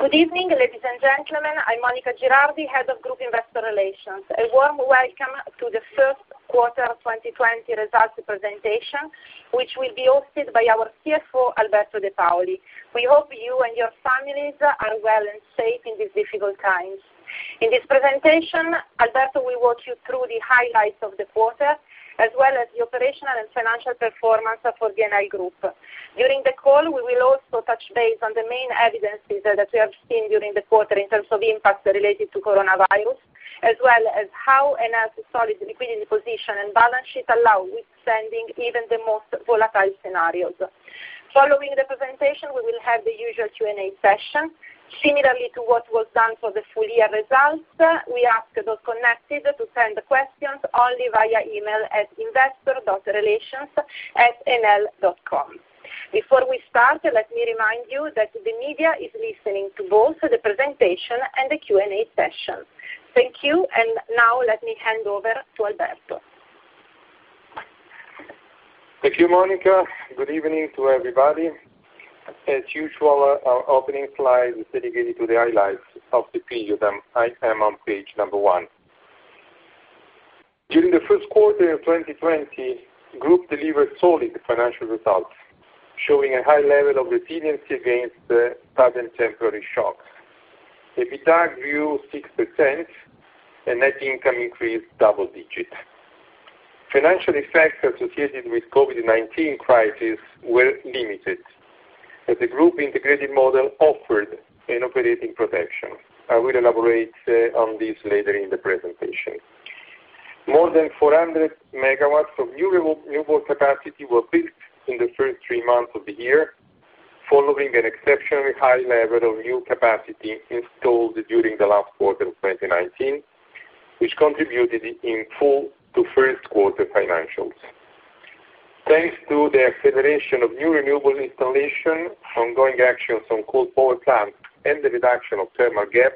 Good evening, ladies and gentlemen. I'm Monica Girardi, Head of Group Investor Relations. A warm welcome to the first quarter 2020 results presentation, which will be hosted by our CFO, Alberto De Paoli. We hope you and your families are well and safe in these difficult times. In this presentation, Alberto, we'll walk you through the highlights of the quarter, as well as the operational and financial performance for the Enel Group. During the call, we will also touch base on the main evidences that we have seen during the quarter in terms of impacts related to coronavirus, as well as how Enel's solid liquidity position and balance sheet allow withstanding even the most volatile scenarios. Following the presentation, we will have the usual Q&A session. Similarly to what was done for the full year results, we ask those connected to send questions only via email at investor.relations@enel.com. Before we start, let me remind you that the media is listening to both the presentation and the Q&A session. Thank you, and now let me hand over to Alberto. Thank you, Monica. Good evening to everybody. As usual, our opening slide is dedicated to the highlights of the period. I am on page number one. During the first quarter of 2020, the Group delivered solid financial results, showing a high level of resiliency against sudden temporary shocks. EBITDA grew 6%, and net income increased double-digit. Financial effects associated with the COVID-19 crisis were limited, as the Group Integrated Model offered an operating protection. I will elaborate on this later in the presentation. More than 400 MW of new renewable capacity were built in the first three months of the year, following an exceptionally high level of new capacity installed during the last quarter of 2019, which contributed in full to first quarter financials. Thanks to the acceleration of new renewable installation, ongoing actions on coal power plants, and the reduction of thermal gap,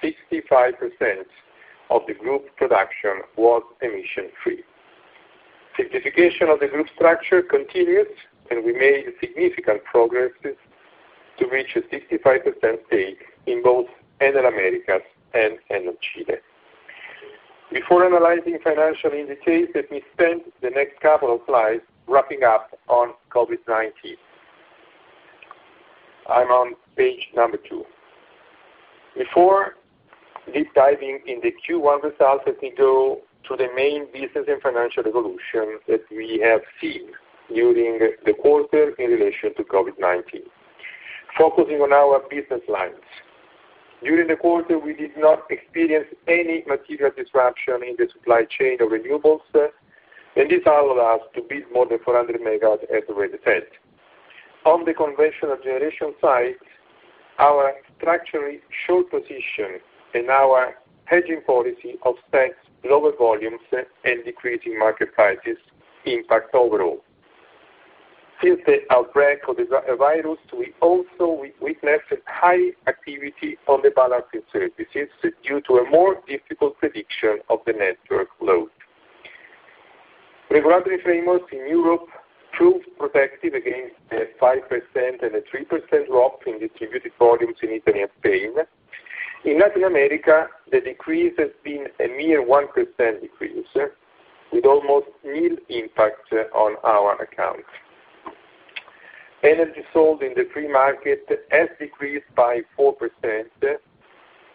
65% of the Group's production was emission-free. Simplification of the Group structure continues, and we made significant progress to reach a 65% stake in both Enel Americas and Enel Chile. Before analyzing financial indicators, let me spend the next couple of slides wrapping up on COVID-19. I'm on page number two. Before deep diving into the Q1 results, let me go to the main business and financial evolutions that we have seen during the quarter in relation to COVID-19, focusing on our business lines. During the quarter, we did not experience any material disruption in the supply chain of renewables, and this allowed us to build more than 400 MW, as already said. On the conventional generation side, our structurally short position and our hedging policy of set lower volumes and decreasing market prices impact overall. Since the outbreak of the virus, we also witnessed high activity on the balancing services due to a more difficult prediction of the network load. Regulatory frameworks in Europe proved protective against the 5% and the 3% drop in distributed volumes in Italy and Spain. In Latin America, the decrease has been a mere 1% decrease, with almost nil impact on our accounts. Energy sold in the free market has decreased by 4%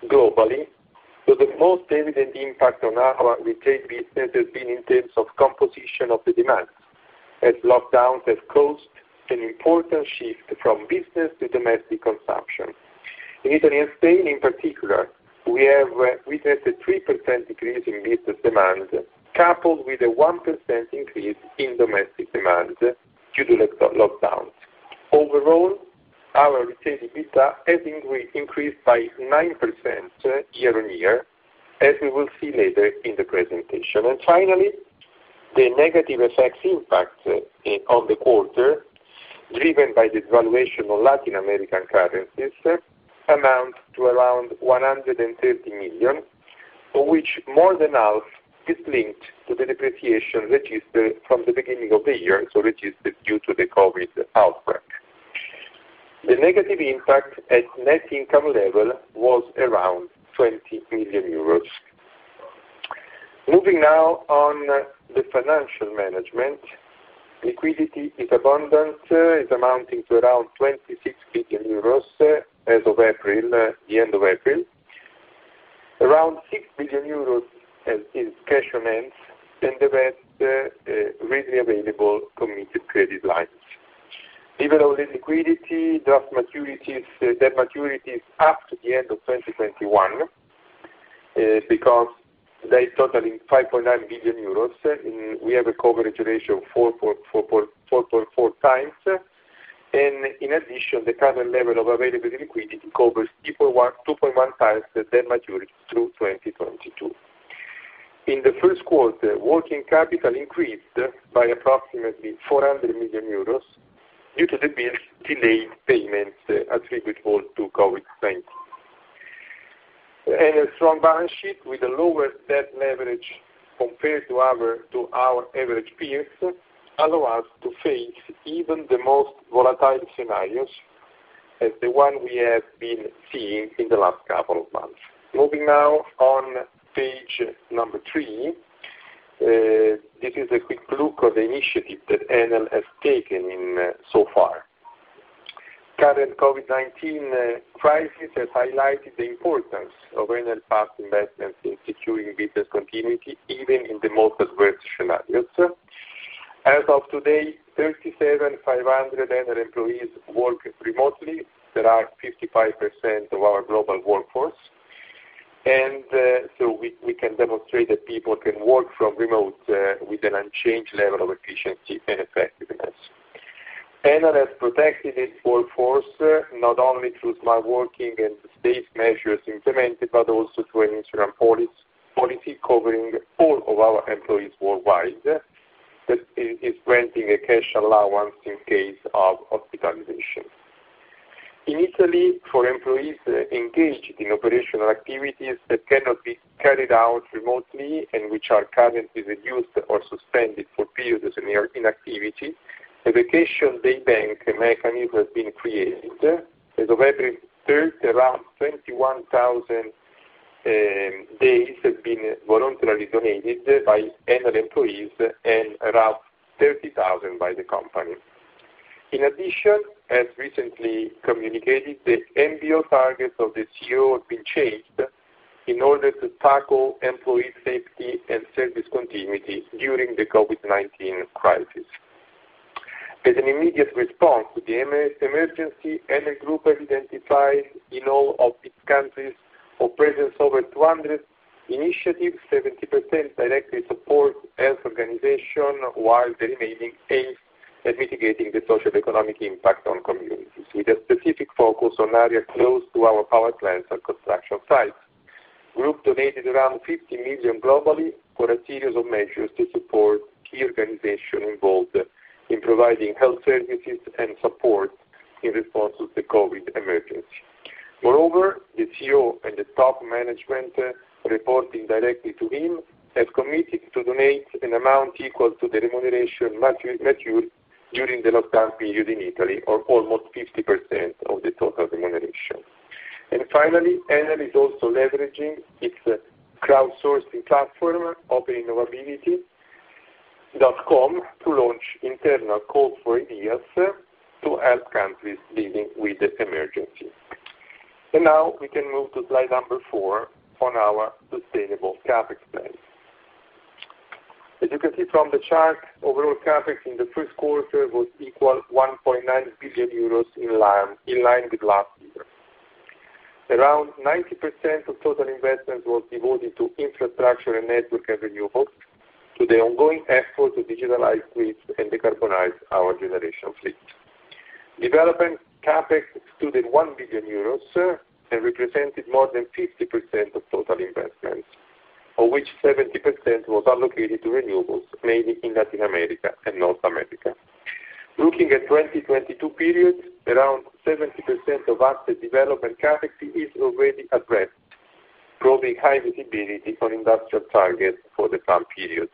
globally, so the most evident impact on our retail business has been in terms of composition of the demand, as lockdowns have caused an important shift from business to domestic consumption. In Italy and Spain, in particular, we have witnessed a 3% decrease in business demand, coupled with a 1% increase in domestic demand due to lockdowns. Overall, our retail EBITDA has increased by 9% year-on-year, as we will see later in the presentation. Finally, the negative effects impact on the quarter, driven by the devaluation of Latin American currencies, amounts to around 130 million, of which more than half is linked to the depreciation registered from the beginning of the year, so registered due to the COVID outbreak. The negative impact at net income level was around 20 million euros. Moving now on the financial management, liquidity is abundant, amounting to around 26 billion euros as of the end of April, around 6 billion euros in cash on hand, and the rest readily available committed credit lines. Liberal liquidity debt maturities after the end of 2021, because they totaling 5.9 billion euros, we have a coverage ratio of 4.4 times, and in addition, the current level of availability liquidity covers 2.1 times the debt maturity through 2022. In the first quarter, working capital increased by approximately 400 million euros due to the bills' delayed payments attributable to COVID-19. A strong balance sheet with a lower debt leverage compared to our average peers allows us to face even the most volatile scenarios, as the one we have been seeing in the last couple of months. Moving now on page number three, this is a quick look at the initiative that Enel has taken so far. Current COVID-19 crisis has highlighted the importance of Enel's past investments in securing business continuity, even in the most adverse scenarios. As of today, 37,500 Enel employees work remotely; that is 55% of our global workforce. We can demonstrate that people can work from remote with an unchanged level of efficiency and effectiveness. Enel has protected its workforce not only through smart working and safe measures implemented, but also through an insurance policy covering all of our employees worldwide that is granting a cash allowance in case of hospitalization. In Italy, for employees engaged in operational activities that cannot be carried out remotely and which are currently reduced or suspended for periods of inactivity, a vacation day bank mechanism has been created. As of April 3rd, around 21,000 days have been voluntarily donated by Enel employees and around 30,000 by the company. In addition, as recently communicated, the NBO targets of the CEO have been changed in order to tackle employee safety and service continuity during the COVID-19 crisis. As an immediate response to the emergency, Enel Group has identified in all of its countries a presence of over 200 initiatives, 70% directly support health organizations, while the remaining aims at mitigating the socio-economic impact on communities, with a specific focus on areas close to our power plants and construction sites. The Group donated around 50 million globally for a series of measures to support key organizations involved in providing health services and support in response to the COVID emergency. Moreover, the CEO and the top management reporting directly to him have committed to donate an amount equal to the remuneration matured during the lockdown period in Italy, or almost 50% of the total remuneration. Finally, Enel is also leveraging its crowdsourcing platform, OpenInnovability.com, to launch internal calls for ideas to help countries dealing with the emergency. Now we can move to slide number four on our sustainable CapEx plan. As you can see from the chart, overall CapEx in the first quarter was equal to 1.9 billion euros in line with last year. Around 90% of total investments were devoted to infrastructure and network and renewables, to the ongoing effort to digitalize grids and decarbonize our generation fleet. Development CapEx excluded 1 billion euros and represented more than 50% of total investments, of which 70% was allocated to renewables, mainly in Latin America and North America. Looking at the 2022 period, around 70% of asset development CapEx is already addressed, proving high visibility for industrial targets for the time period.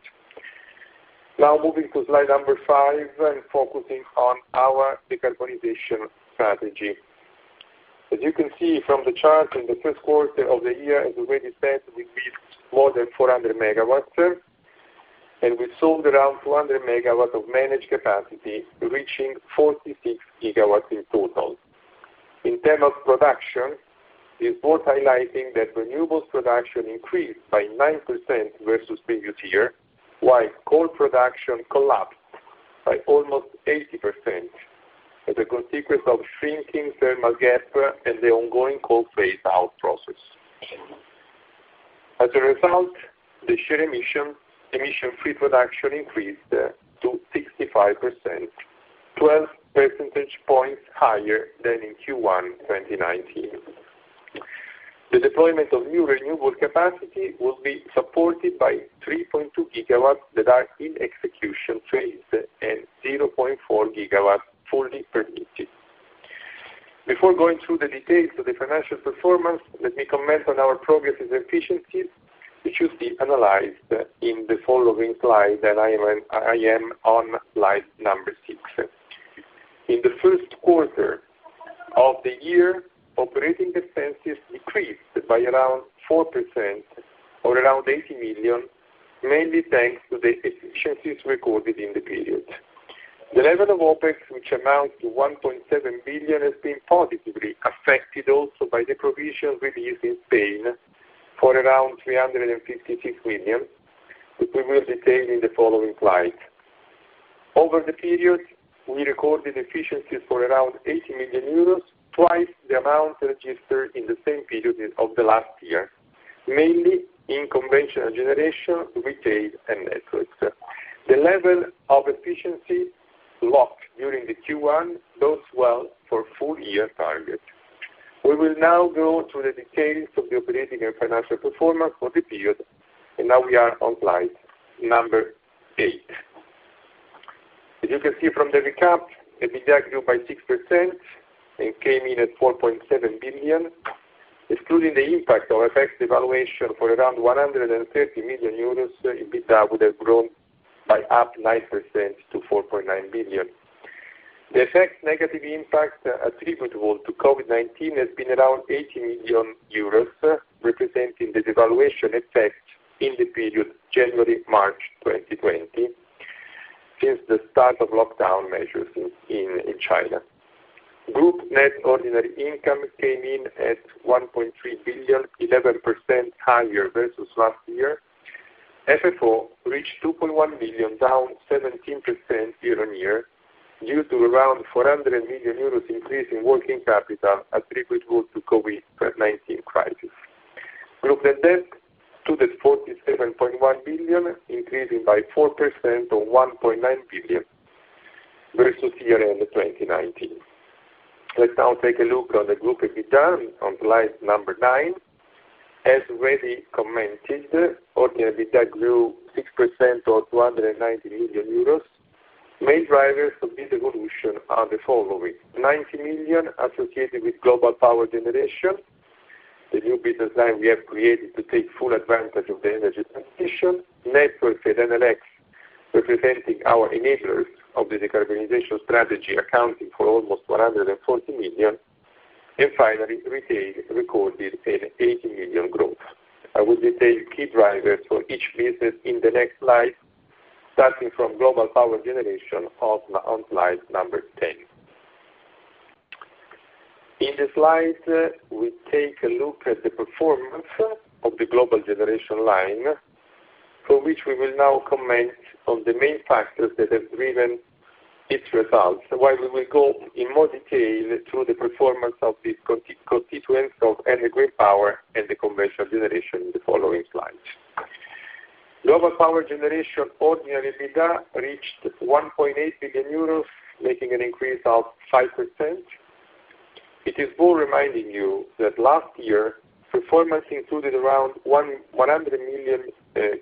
Now moving to slide number five and focusing on our decarbonization strategy. As you can see from the chart, in the first quarter of the year, as already said, we built more than 400 MW, and we sold around 200 MW of managed capacity, reaching 46 GW in total. In terms of production, this is worth highlighting that renewables production increased by 9% versus previous year, while coal production collapsed by almost 80% as a consequence of shrinking thermal gap and the ongoing coal phase-out process. As a result, the share emission-free production increased to 65%, 12 percentage points higher than in Q1 2019. The deployment of new renewable capacity will be supported by 3.2 GW that are in execution phase and 0.4 GW fully permitted. Before going through the details of the financial performance, let me comment on our progresses and efficiencies, which will be analyzed in the following slide, and I am on slide number six. In the first quarter of the year, operating expenses decreased by around 4%, or around 80 million, mainly thanks to the efficiencies recorded in the period. The level of OpEx, which amounts to 1.7 billion, has been positively affected also by the provision released in Spain for around 356 million, which we will detail in the following slide. Over the period, we recorded efficiencies for around 80 million euros, twice the amount registered in the same period of the last year, mainly in conventional generation, retail, and networks. The level of efficiency locked during the Q1 does well for full-year targets. We will now go to the details of the operating and financial performance for the period, and now we are on slide number eight. As you can see from the recap, EBITDA grew by 6% and came in at 4.7 billion. Excluding the impact of FX devaluation for around 130 million euros, EBITDA would have grown by up 9% to 4.9 billion. The FX negative impact attributable to COVID-19 has been around 80 million euros, representing the devaluation effect in the period January-March 2020 since the start of lockdown measures in China. Group net ordinary income came in at 1.3 billion, 11% higher versus last year. FFO reached 2.1 billion, down 17% year on year, due to around 400 million euros increase in working capital attributable to COVID-19 crisis. Group net debt stood at 47.1 billion, increasing by 4% versus year-end 2019. Let's now take a look at the Group EBITDA on slide number nine. As already commented, ordinary EBITDA grew 6% to EUR 4.7 billion. Main drivers of this evolution are the following: 90 million associated with global power generation, the new business line we have created to take full advantage of the energy transition, network and Enel X representing our enablers of the decarbonization strategy, accounting for almost 140 million, and finally, retail recorded an 80 million growth. I will detail key drivers for each business in the next slide, starting from global power generation on slide number 10. In this slide, we take a look at the performance of the global generation line, for which we will now comment on the main factors that have driven its results, while we will go in more detail through the performance of these constituents of Energy and Power and the conventional generation in the following slides. Global power generation ordinary EBITDA reached 1.8 billion euros, making an increase of 5%. It is worth reminding you that last year, performance included around 100 million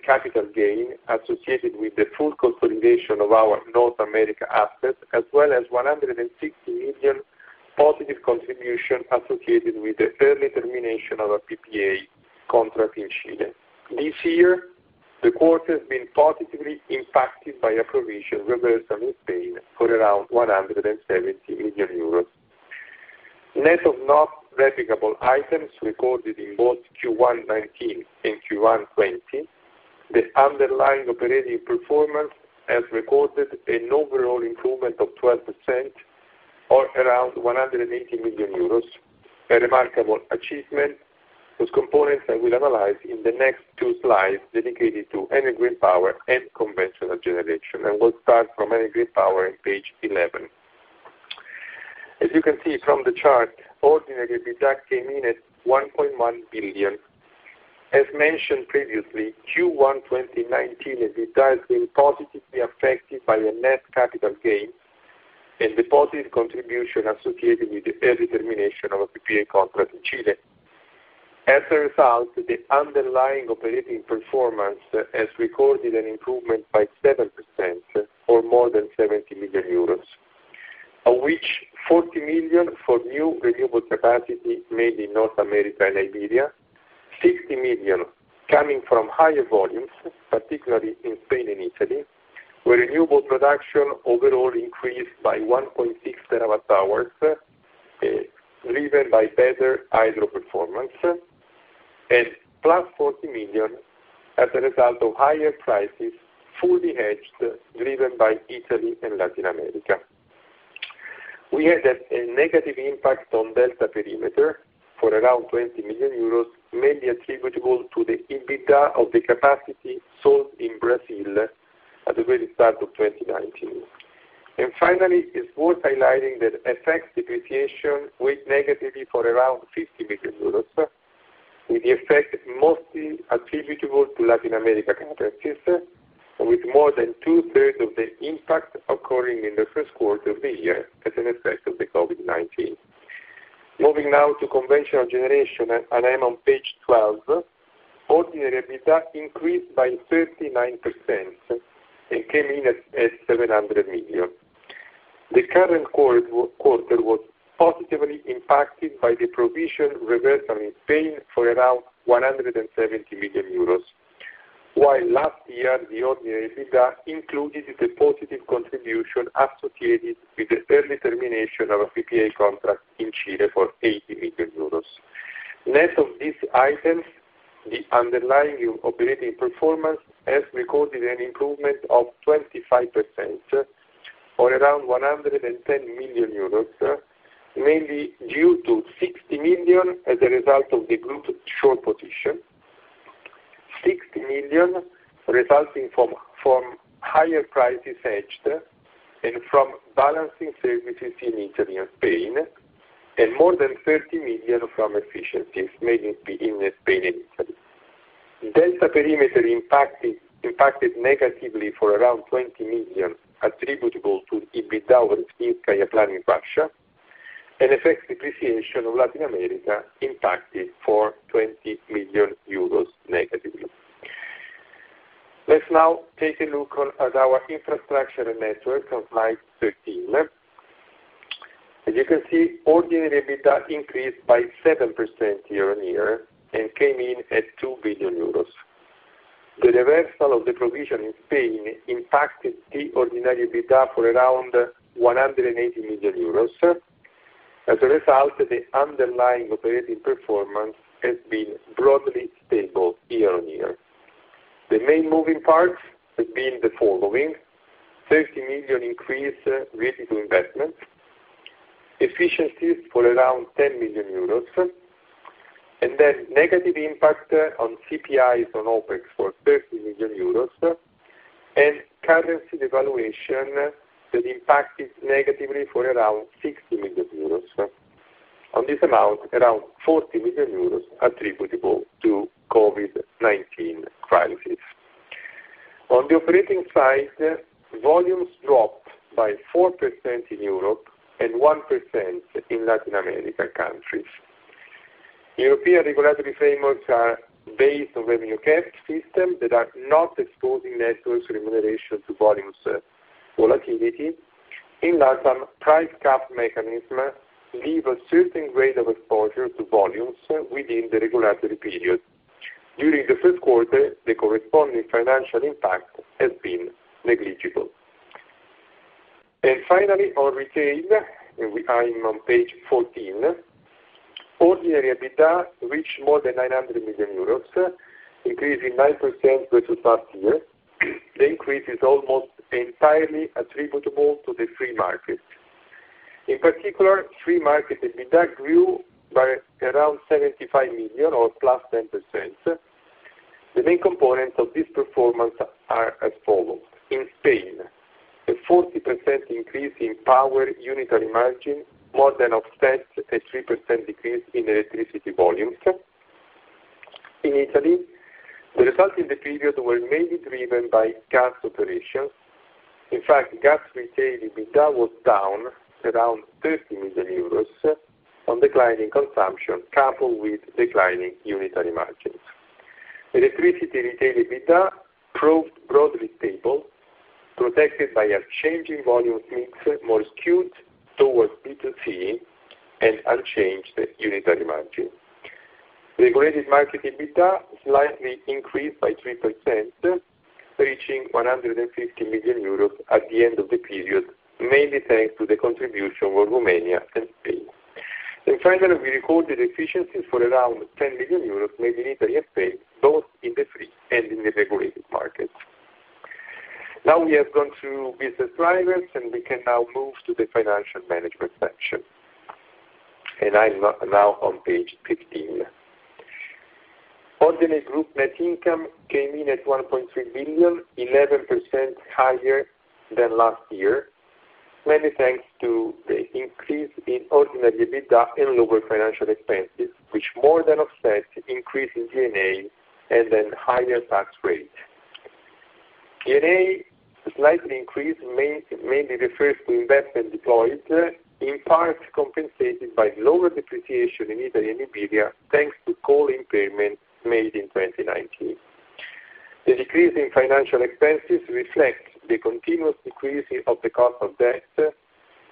capital gain associated with the full consolidation of our North America assets, as well as 160 million positive contribution associated with the early termination of a PPA contract in Chile. This year, the quarter has been positively impacted by a provision reversal in Spain for around 170 million euros. Net of non-replicable items recorded in both Q1 2019 and Q1 2020, the underlying operating performance has recorded an overall improvement of 12%, or around 180 million euros, a remarkable achievement, whose components I will analyze in the next two slides dedicated to Energy and Power and conventional generation, and we will start from Energy and Power on page 11. As you can see from the chart, ordinary EBITDA came in at 1.1 billion. As mentioned previously, Q1 2019 EBITDA has been positively affected by a net capital gain and the positive contribution associated with the early termination of a PPA contract in Chile. As a result, the underlying operating performance has recorded an improvement by 7%, or more than 70 million euros, of which 40 million for new renewable capacity made in North America and Liberia, 60 million coming from higher volumes, particularly in Spain and Italy, where renewable production overall increased by 1.6 TWh, driven by better hydro performance, and plus 40 million as a result of higher prices fully hedged, driven by Italy and Latin America. We had a negative impact on delta perimeter for around 20 million euros, mainly attributable to the EBITDA of the capacity sold in Brazil at the very start of 2019. Finally, it is worth highlighting that FX depreciation weighed negatively for around 50 million euros, with the effect mostly attributable to Latin America CapExes, with more than two-thirds of the impact occurring in the first quarter of the year as an effect of the COVID-19. Moving now to conventional generation, and I am on page 12, ordinary EBITDA increased by 39% and came in at 700 million. The current quarter was positively impacted by the provision reversal in Spain for around 170 million euros, while last year the ordinary EBITDA included the positive contribution associated with the early termination of a PPA contract in Chile for 80 million euros. Net of these items, the underlying operating performance has recorded an improvement of 25%, or around 110 million euros, mainly due to 60 million as a result of the group's short position, 60 million resulting from higher prices hedged and from balancing services in Italy and Spain, and more than 30 million from efficiencies made in Spain and Italy. Delta perimeter impacted negatively for around 20 million attributable to EBITDA of the skilled kayak line in Russia, and FX depreciation of Latin America impacted for 20 million euros negatively. Let's now take a look at our infrastructure and network on slide 13. As you can see, ordinary EBITDA increased by 7% year on year and came in at 2 billion euros. The reversal of the provision in Spain impacted the ordinary EBITDA for around 180 million euros. As a result, the underlying operating performance has been broadly stable year on year. The main moving parts have been the following: 30 million increase related to investment, efficiencies for around 10 million euros, and then negative impact on CPIs on OpEx for 30 million euros, and currency devaluation that impacted negatively for around 60 million euros. On this amount, around 40 million euros attributable to COVID-19 crisis. On the operating side, volumes dropped by 4% in Europe and 1% in Latin America countries. European regulatory frameworks are based on revenue cap systems that are not exposing networks remuneration to volumes volatility. In that, some price cap mechanisms leave a certain grade of exposure to volumes within the regulatory period. During the first quarter, the corresponding financial impact has been negligible. Finally, on retail, and I am on page 14, ordinary EBITDA reached more than 900 million euros, increasing 9% versus last year. The increase is almost entirely attributable to the free market. In particular, free market EBITDA grew by around 75 million or plus 10%. The main components of this performance are as follows. In Spain, a 40% increase in power unitary margin more than offset a 3% decrease in electricity volumes. In Italy, the result in the period was mainly driven by gas operations. In fact, gas retail EBITDA was down around 30 million euros on declining consumption, coupled with declining unitary margins. Electricity retail EBITDA proved broadly stable, protected by a changing volume mix more skewed towards B2C and unchanged unitary margin. Regulated market EBITDA slightly increased by 3%, reaching 150 million euros at the end of the period, mainly thanks to the contribution of Romania and Spain. Finally, we recorded efficiencies for around 10 million euros, mainly in Italy and Spain, both in the free and in the regulated markets. Now we have gone through business drivers, and we can now move to the financial management section. I'm now on page 15. Ordinary group net income came in at 1.3 billion, 11% higher than last year, mainly thanks to the increase in ordinary EBITDA and lower financial expenses, which more than offset the increase in D&A and then higher tax rate. D&A slightly increased, mainly refers to investment deployed, in part compensated by lower depreciation in Italy and Iberia, thanks to coal impairment made in 2019. The decrease in financial expenses reflects the continuous decrease of the cost of debt,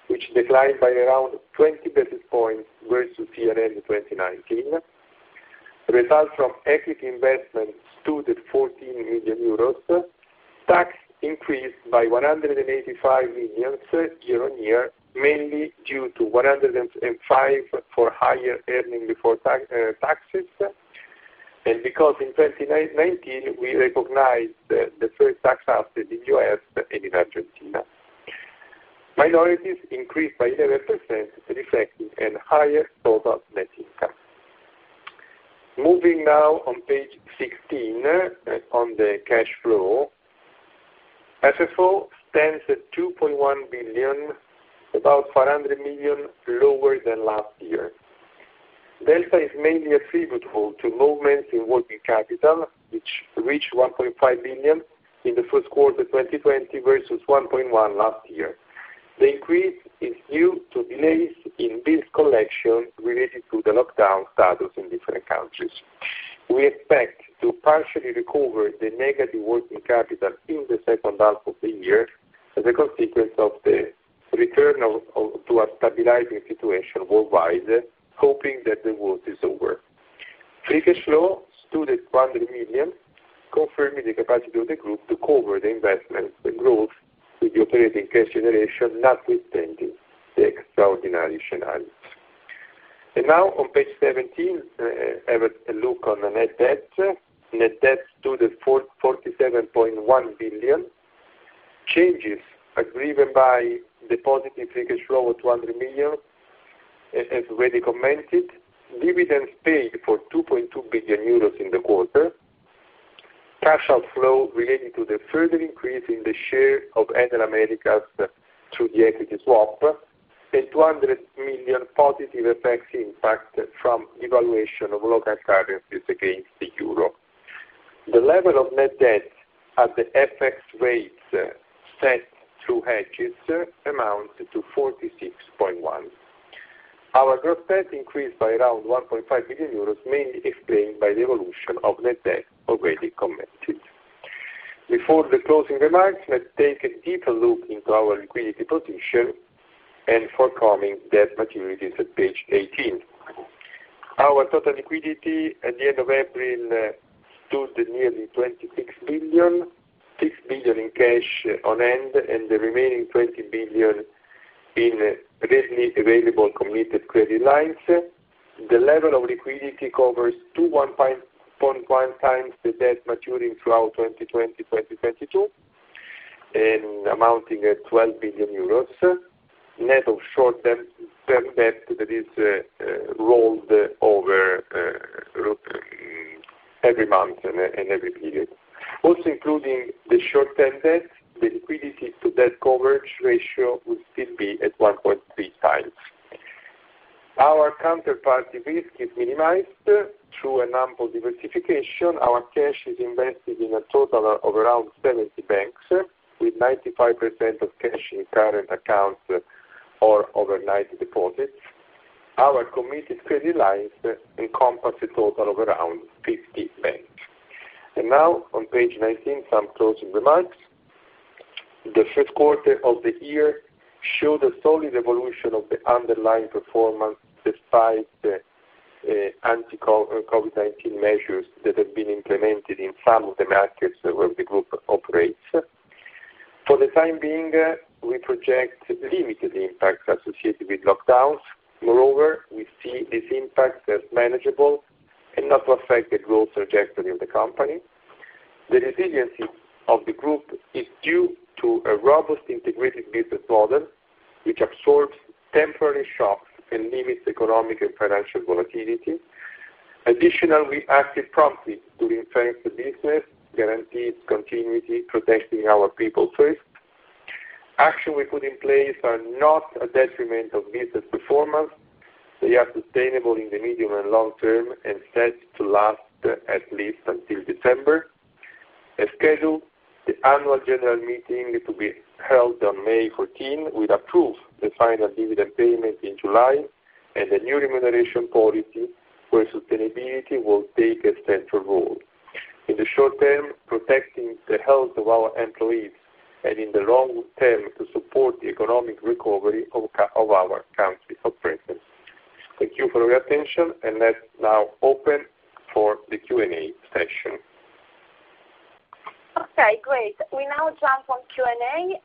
which declined by around 20 basis points versus year-end 2019, resulting from equity investment stood at 14 million euros, tax increased by 185 million year-on-year, mainly due to 105 million for higher earning before taxes, and because in 2019 we recognized the first tax asset in the U.S. and in Argentina. Minorities increased by 11%, reflecting a higher total net income. Moving now on page 16 on the cash flow, FFO stands at 2.1 billion, about 400 million lower than last year. Delta is mainly attributable to movements in working capital, which reached 1.5 billion in the first quarter 2020 versus 1.1 billion last year. The increase is due to delays in bills collection related to the lockdown status in different countries. We expect to partially recover the negative working capital in the second half of the year as a consequence of the return to a stabilizing situation worldwide, hoping that the worst is over. Free cash flow stood at EUR 200 million, confirming the capacity of the group to cover the investments, the growth, with the operating cash generation not withstanding the extraordinary scenario. Now on page 17, have a look on the net debt. Net debt stood at 47.1 billion. Changes are driven by the positive free cash flow of 200 million, as already commented. Dividends paid for 2.2 billion euros in the quarter. Cash outflow related to the further increase in the share of Enel Americas through the equity swap, and 200 million positive FX impact from devaluation of local currencies against the euro. The level of net debt at the FX rates set through hedges amounts to 46.1 billion. Our gross debt increased by around 1.5 billion euros, mainly explained by the evolution of net debt already commented. Before the closing remarks, let's take a deeper look into our liquidity position and forecoming debt maturities at page 18. Our total liquidity at the end of April stood nearly 26 billion, 6 billion in cash on hand, and the remaining 20 billion in readily available committed credit lines. The level of liquidity covers 21.1 times the debt maturing throughout 2020-2022 and amounting at 12 billion euros, net of short-term debt that is rolled over every month and every period. Also including the short-term debt, the liquidity-to-debt coverage ratio would still be at 1.3 times. Our counterparty risk is minimized through a number of diversification. Our cash is invested in a total of around 70 banks, with 95% of cash in current accounts or overnight deposits. Our committed credit lines encompass a total of around 50 banks. Now on page 19, some closing remarks. The first quarter of the year showed a solid evolution of the underlying performance despite anti-COVID-19 measures that have been implemented in some of the markets where the group operates. For the time being, we project limited impacts associated with lockdowns. Moreover, we see this impact as manageable and not to affect the growth trajectory of the company. The resiliency of the group is due to a robust integrated business model, which absorbs temporary shocks and limits economic and financial volatility. Additionally, we acted promptly to reinforce the business, guaranteed continuity, protecting our people first. Actions we put in place are not a detriment of business performance. They are sustainable in the medium and long term and set to last at least until December. As scheduled, the annual general meeting to be held on May 14, we'd approve the final dividend payment in July and the new remuneration policy where sustainability will take a central role. In the short term, protecting the health of our employees and in the long term to support the economic recovery of our country's presence. Thank you for your attention, and let's now open for the Q&A session. Okay, great. We now jump on Q&A.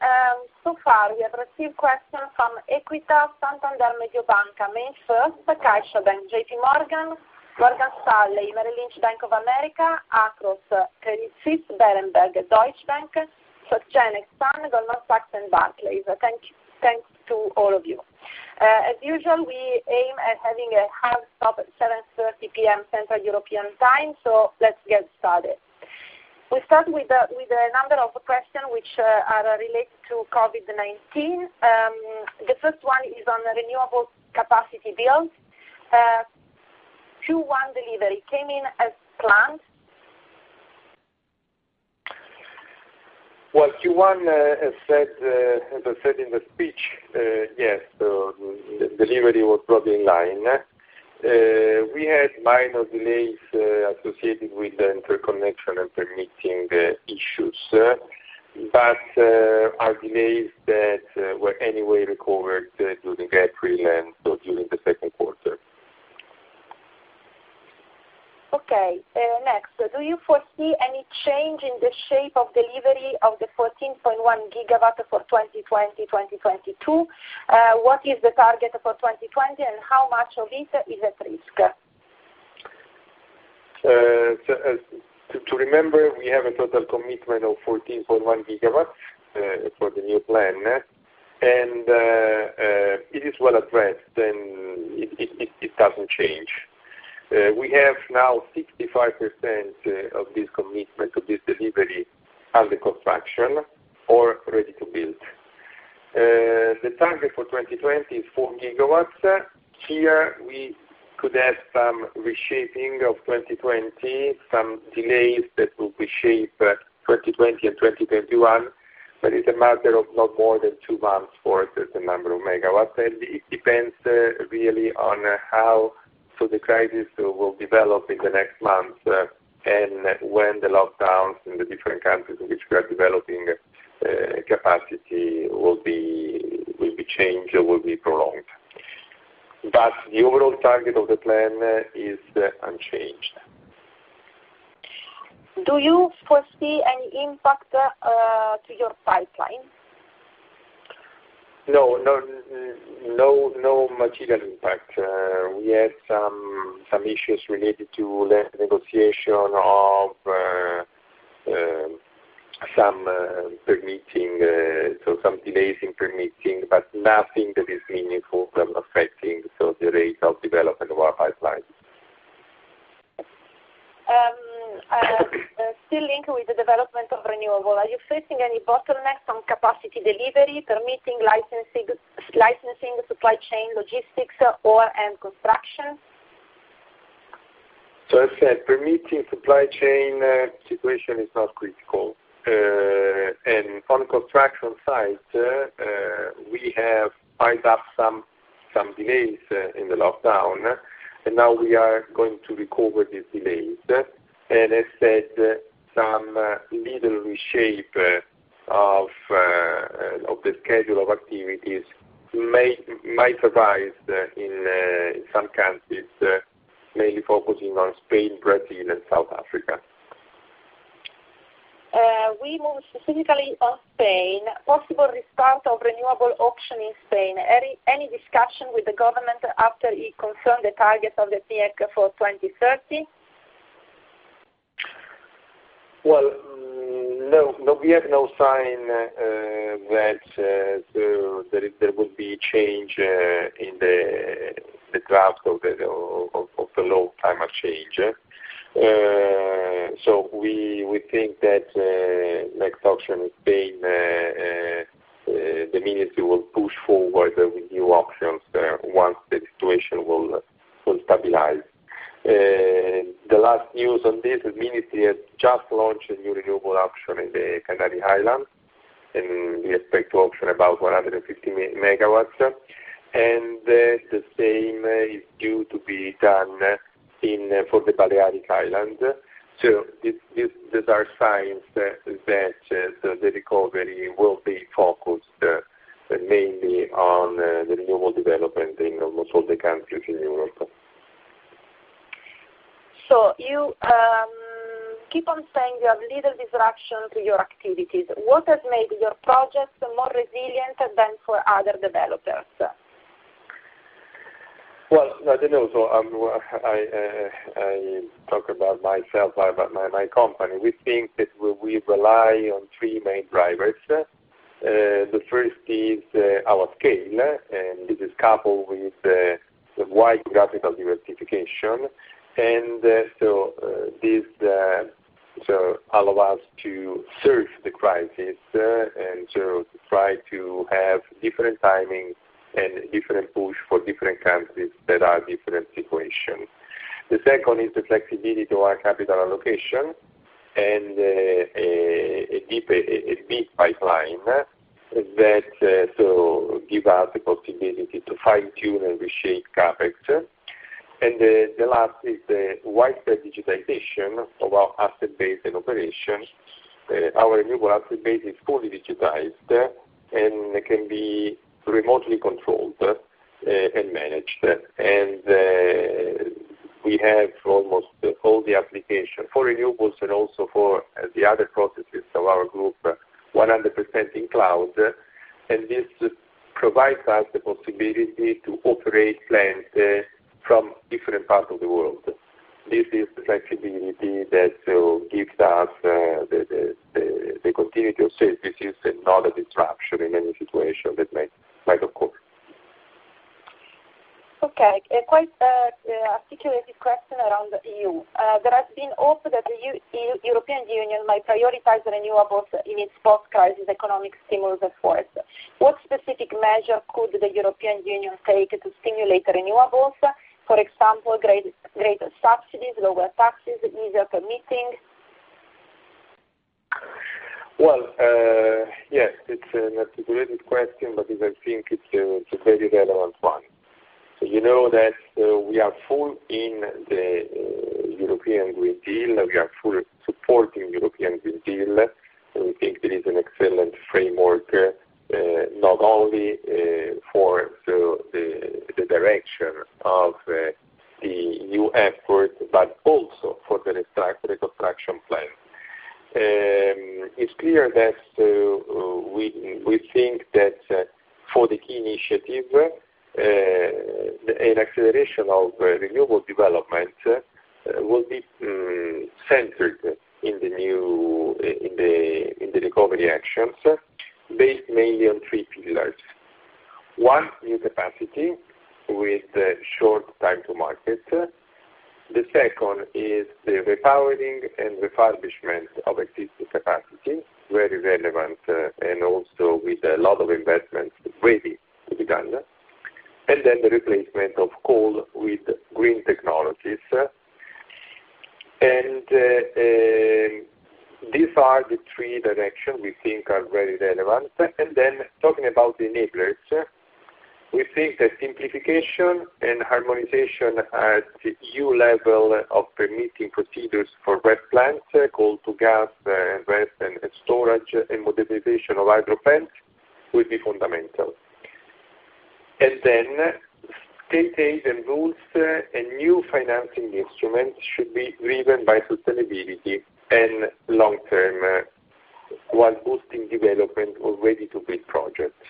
So far, we have received questions from Equitas, Santander, Mediobanca, May First, CaixaBank, JP Morgan, Morgan Stanley, Merrill Lynch Bank of America, Akros, Credit Suisse, Berenberg, Deutsche Bank, Swedbank, Goldman Sachs, and Barclays. Thanks to all of you. As usual, we aim at having a hard stop at 7:30 P.M. Central European Time, so let's get started. We start with a number of questions which are related to COVID-19. The first one is on renewable capacity builds. Q1 delivery came in as planned? Q1, as I said in the speech, yes, the delivery was broadly in line. We had minor delays associated with the interconnection and permitting issues, but our delays were anyway recovered during April and during the second quarter. Okay. Next, do you foresee any change in the shape of delivery of the 14.1 GW for 2020-2022? What is the target for 2020, and how much of it is at risk? To remember, we have a total commitment of 14.1 GW for the new plan, and it is well addressed, and it doesn't change. We have now 65% of this commitment, of this delivery, under construction or ready to build. The target for 2020 is 4 GW. Here, we could have some reshaping of 2020, some delays that will reshape 2020 and 2021, but it's a matter of not more than two months for a certain number of megawatts. It depends really on how the crisis will develop in the next months and when the lockdowns in the different countries in which we are developing capacity will be changed or will be prolonged. The overall target of the plan is unchanged. Do you foresee any impact to your pipeline? No, no material impact. We had some issues related to the negotiation of some permitting, so some delays in permitting, but nothing that is meaningful or affecting the rate of development of our pipeline. Still linked with the development of renewable, are you facing any bottlenecks on capacity delivery, permitting, licensing, supply chain, logistics, or construction? I said permitting, supply chain situation is not critical. On the construction side, we have picked up some delays in the lockdown, and now we are going to recover these delays. As said, some little reshape of the schedule of activities might arise in some countries, mainly focusing on Spain, Brazil, and South Africa. We move specifically on Spain. Possible restart of renewable auction in Spain. Any discussion with the government after it confirmed the target of the PEEC for 2030? No, we have no sign that there would be change in the draft of the law climate change. We think that next auction in Spain, the ministry will push forward with new auctions once the situation will stabilize. The last news on this, the ministry has just launched a new renewable auction in the Canary Islands, and we expect to open about 150 MW. The same is due to be done for the Balearic Islands. These are signs that the recovery will be focused mainly on the renewable development in almost all the countries in Europe. You keep on saying you have little disruption to your activities. What has made your projects more resilient than for other developers? As I know, I talk about myself, about my company. We think that we rely on three main drivers. The first is our scale, and this is coupled with the wide geographical diversification. This allows us to surf the crisis and to try to have different timing and different push for different countries that are in different situations. The second is the flexibility to our capital allocation and a deep pipeline that gives us the possibility to fine-tune and reshape CapEx. The last is the widespread digitization of our asset base and operations. Our renewable asset base is fully digitized and can be remotely controlled and managed. We have almost all the applications for renewables and also for the other processes of our group, 100% in cloud. This provides us the possibility to operate plants from different parts of the world. This is the flexibility that gives us the continuity of services and not a disruption in any situation that might occur. Okay. Quite an articulated question around the EU. There has been hope that the European Union might prioritize renewables in its post-crisis economic stimulus efforts. What specific measure could the European Union take to stimulate renewables? For example, greater subsidies, lower taxes, easier permitting? Yes, it's an articulated question, but I think it's a very relevant one. You know that we are full in the European Green Deal. We are fully supporting the European Green Deal. We think there is an excellent framework not only for the direction of the new effort, but also for the restructuring plan. It's clear that we think that for the key initiative, an acceleration of renewable development will be centered in the new recovery actions based mainly on three pillars. One, new capacity with short time to market. The second is the repowering and refurbishment of existing capacity, very relevant, and also with a lot of investments ready to be done. The replacement of coal with green technologies. These are the three directions we think are very relevant. Talking about enablers, we think that simplification and harmonization at EU level of permitting procedures for wet plants, coal-to-gas and western storage, and modernization of hydro plants would be fundamental. State aid and rules and new financing instruments should be driven by sustainability and long term while boosting development or ready-to-build projects.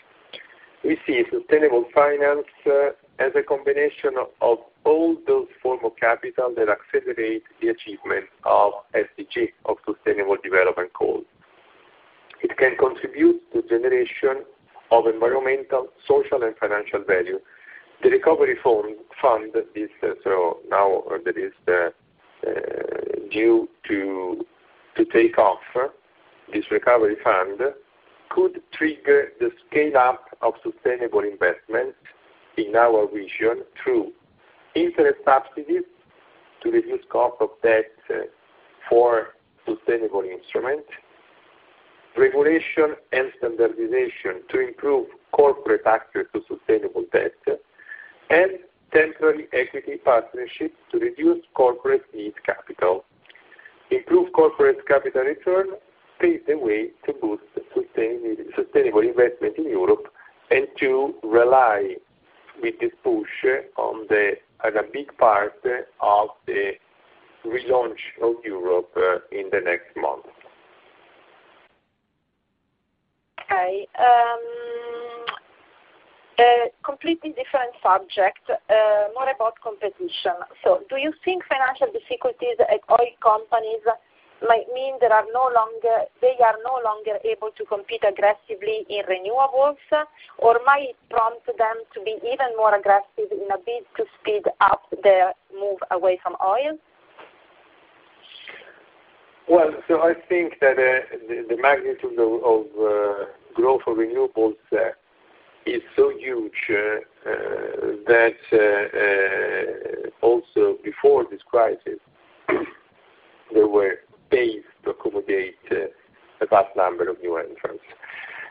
We see sustainable finance as a combination of all those forms of capital that accelerate the achievement of SDG, of sustainable development goals. It can contribute to the generation of environmental, social, and financial value. The recovery fund, now that is due to take off, this recovery fund could trigger the scale-up of sustainable investments in our region through interest subsidies to reduce cost of debt for sustainable instruments, regulation and standardization to improve corporate access to sustainable debt, and temporary equity partnerships to reduce corporate need capital. Improve corporate capital returns pave the way to boost sustainable investment in Europe and to rely with this push on the big part of the relaunch of Europe in the next month. Okay. A completely different subject, more about competition. Do you think financial difficulties at oil companies might mean they are no longer able to compete aggressively in renewables, or might it prompt them to be even more aggressive in a bid to speed up their move away from oil? I think that the magnitude of growth of renewables is so huge that also before this crisis, there were days to accommodate a vast number of new entrants.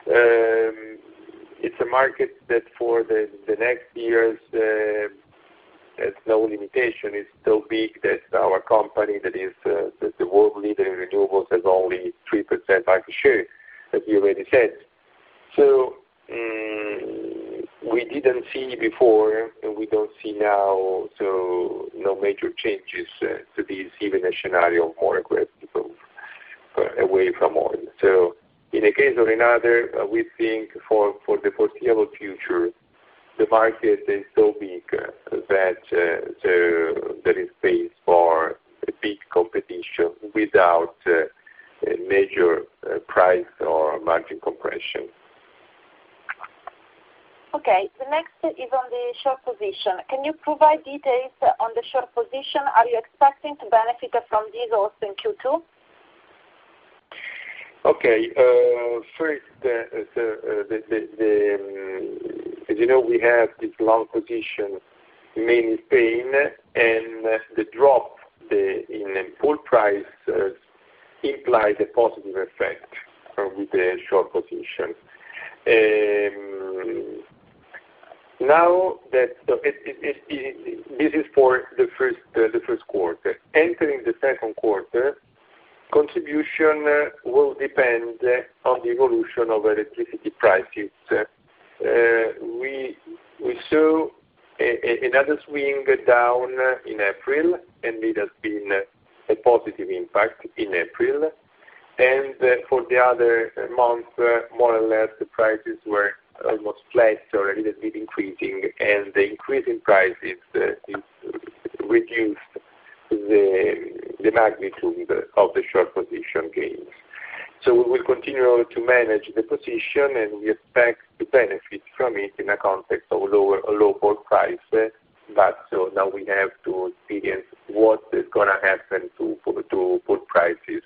It's a market that for the next years, there's no limitation. It's so big that our company, that is the world leader in renewables, has only 3% market share, as you already said. We didn't see before, and we don't see now, no major changes to this, even a scenario of more aggressive move away from oil. In a case or another, we think for the foreseeable future, the market is so big that there is space for big competition without major price or margin compression. Okay. The next is on the short position. Can you provide details on the short position? Are you expecting to benefit from these also in Q2? Okay. First, as you know, we have this long position mainly in Spain, and the drop in full price implies a positive effect with the short position. Now, this is for the first quarter. Entering the second quarter, contribution will depend on the evolution of electricity prices. We saw another swing down in April, and it has been a positive impact in April. For the other month, more or less, the prices were almost flat or a little bit increasing, and the increase in prices reduced the magnitude of the short position gains. We will continue to manage the position, and we expect to benefit from it in a context of a lower oil price. Now we have to experience what is going to happen to oil prices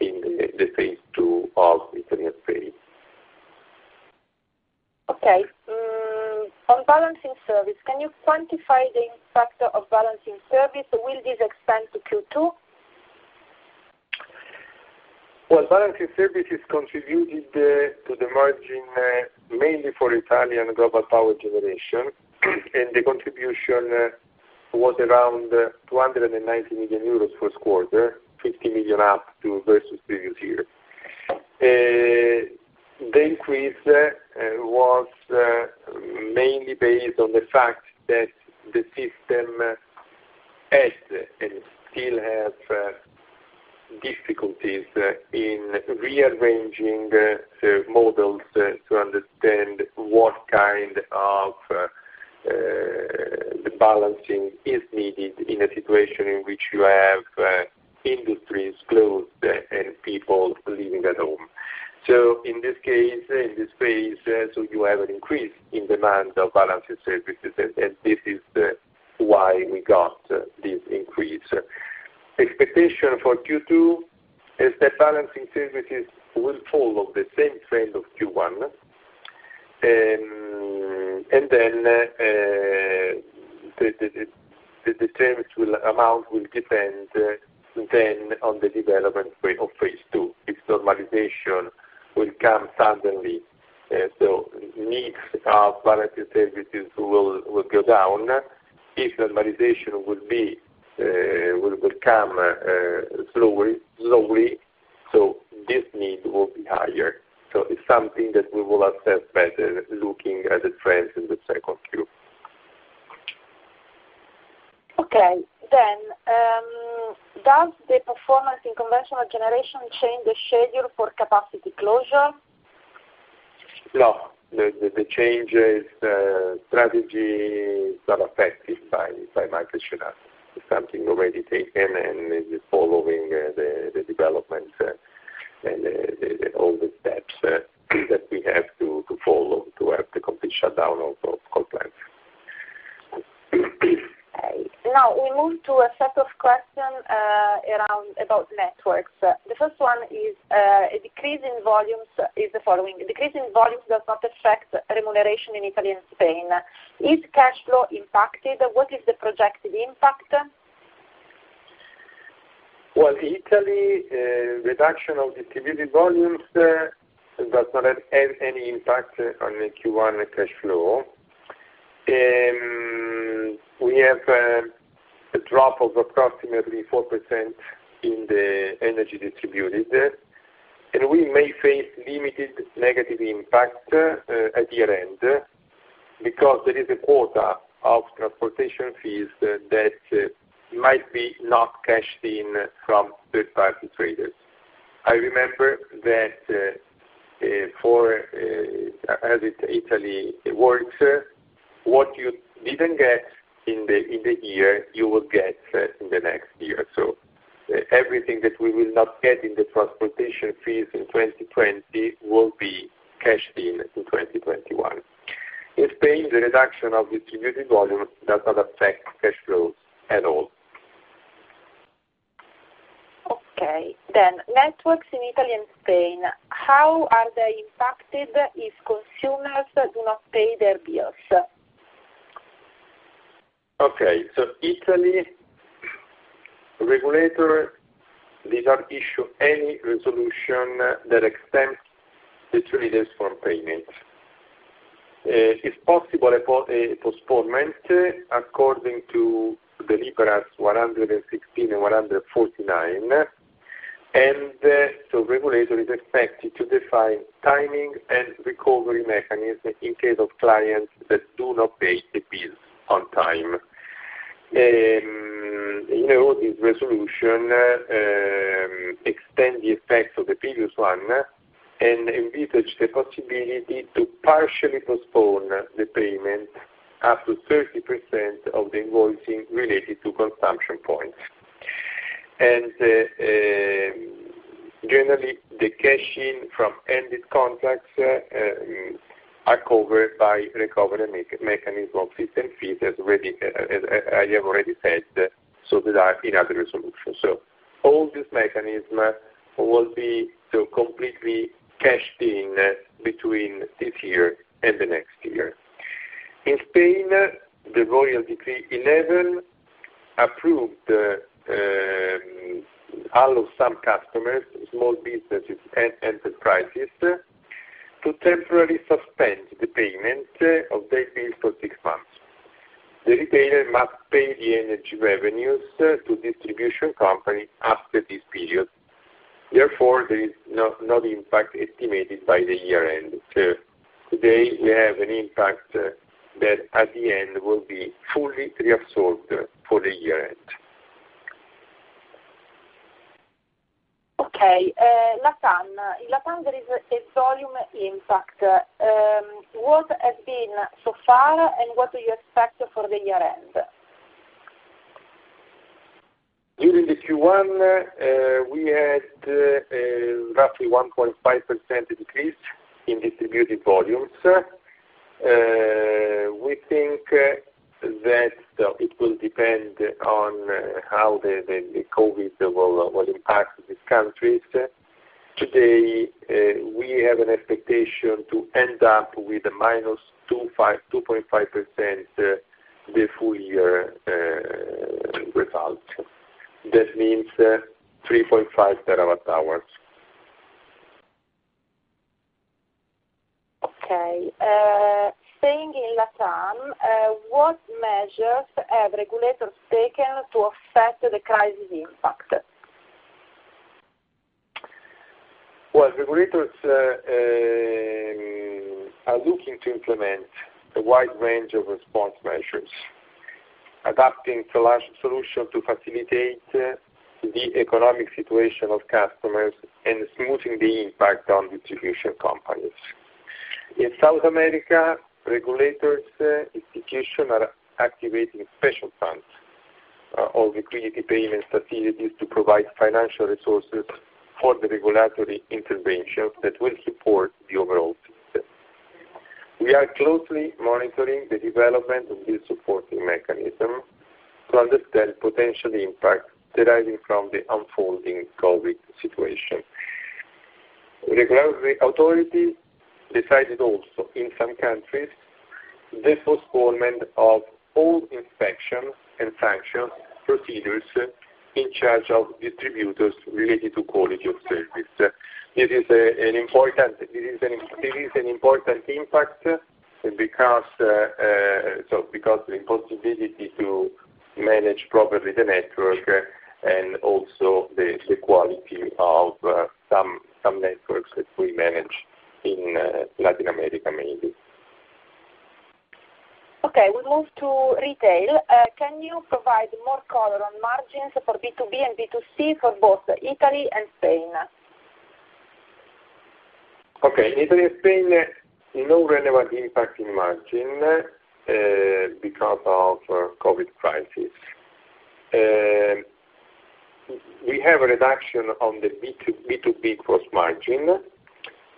in the phase two of the interim phase. Okay. On balancing service, can you quantify the impact of balancing service? Will this extend to Q2? Balancing service has contributed to the margin mainly for Italian global power generation, and the contribution was around 290 million euros first quarter, 50 million up versus previous year. The increase was mainly based on the fact that the system has and still has difficulties in rearranging models to understand what kind of balancing is needed in a situation in which you have industries closed and people living at home. In this case, in this phase, you have an increase in demand of balancing services, and this is why we got this increase. Expectation for Q2 is that balancing services will follow the same trend of Q1, and then the amount will depend then on the development of phase two. If normalization will come suddenly, needs of balancing services will go down. If normalization will come slowly, this need will be higher. It's something that we will assess better looking at the trends in the 2nd Q. Okay. Does the performance in conventional generation change the schedule for capacity closure? No. The changes, strategies are affected by market shenanigans. It's something already taken, and it's following the developments and all the steps that we have to follow to have the complete shutdown of coal plants. Now, we move to a set of questions about networks. The first one is a decrease in volumes is the following. Decrease in volumes does not affect remuneration in Italy and Spain. Is cash flow impacted? What is the projected impact? Italy, reduction of distributed volumes does not have any impact on Q1 cash flow. We have a drop of approximately 4% in the energy distributed, and we may face limited negative impact at year-end because there is a quota of transportation fees that might be not cashed in from third-party traders. I remember that for as it Italy works, what you did not get in the year, you will get in the next year. So everything that we will not get in the transportation fees in 2020 will be cashed in in 2021. In Spain, the reduction of distributed volumes does not affect cash flows at all. Okay. Then, networks in Italy and Spain, how are they impacted if consumers do not pay their bills? Okay. Italy, regulator, they do not issue any resolution that exempts the traders from payment. It is possible postponement according to the liberals 116 and 149, and the regulator is expected to define timing and recovery mechanism in case of clients that do not pay the bills on time. This resolution extends the effects of the previous one and envisages the possibility to partially postpone the payment up to 30% of the invoicing related to consumption points. Generally, the cashing from ended contracts are covered by recovery mechanism of system fees, as I have already said, so that are in other resolutions. All this mechanism will be completely cashed in between this year and the next year. In Spain, the Royal Decree 11 approved all of some customers, small businesses, and enterprises to temporarily suspend the payment of their bills for six months. The retailer must pay the energy revenues to distribution companies after this period. Therefore, there is no impact estimated by the year-end. Today, we have an impact that at the end will be fully reabsorbed for the year-end. Okay. LATAM, LATAM's volume impact, what has been so far, and what do you expect for the year-end? During the Q1, we had roughly 1.5% decrease in distributed volumes. We think that it will depend on how the COVID will impact these countries. Today, we have an expectation to end up with a minus 2.5% the full year result. That means 3.5 terawatt hours. Okay. Staying in LATAM, what measures have regulators taken to affect the crisis impact? Regulators are looking to implement a wide range of response measures, adapting to solutions to facilitate the economic situation of customers and smoothing the impact on distribution companies. In South America, regulators' institutions are activating special funds or liquidity payments facilities to provide financial resources for the regulatory interventions that will support the overall system. We are closely monitoring the development of this supporting mechanism to understand potential impacts deriving from the unfolding COVID situation. Regulatory authorities decided also, in some countries, the postponement of all inspections and sanctions procedures in charge of distributors related to quality of service. This is an important impact because of the impossibility to manage properly the network and also the quality of some networks that we manage in Latin America mainly. Okay. We move to retail. Can you provide more color on margins for B2B and B2C for both Italy and Spain? Okay. In Italy and Spain, no relevant impact in margin because of COVID crisis. We have a reduction on the B2B gross margin,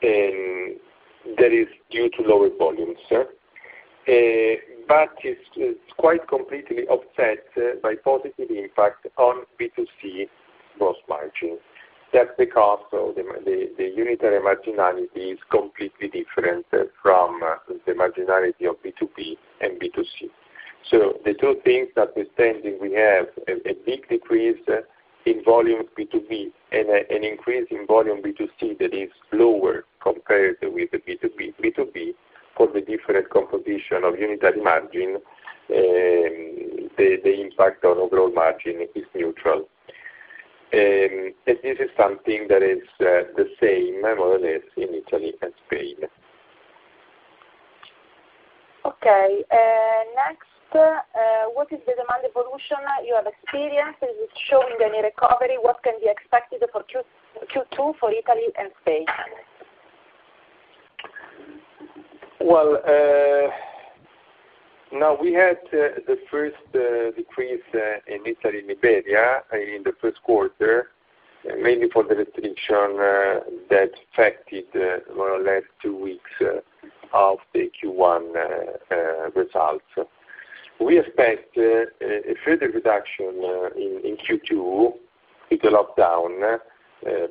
and that is due to lower volumes, but it's quite completely offset by positive impact on B2C gross margin. That's because the unitary marginality is completely different from the marginality of B2B and B2C. The two things that we're standing, we have a big decrease in volume B2B and an increase in volume B2C that is lower compared with the B2B. For the different composition of unitary margin, the impact on overall margin is neutral. This is something that is the same more or less in Italy and Spain. Okay. Next, what is the demand evolution you have experienced? Is it showing any recovery? What can be expected for Q2 for Italy and Spain? We had the first decrease in Italy and Iberia in the first quarter, mainly for the restriction that affected more or less two weeks of the Q1 results. We expect a further reduction in Q2 with the lockdown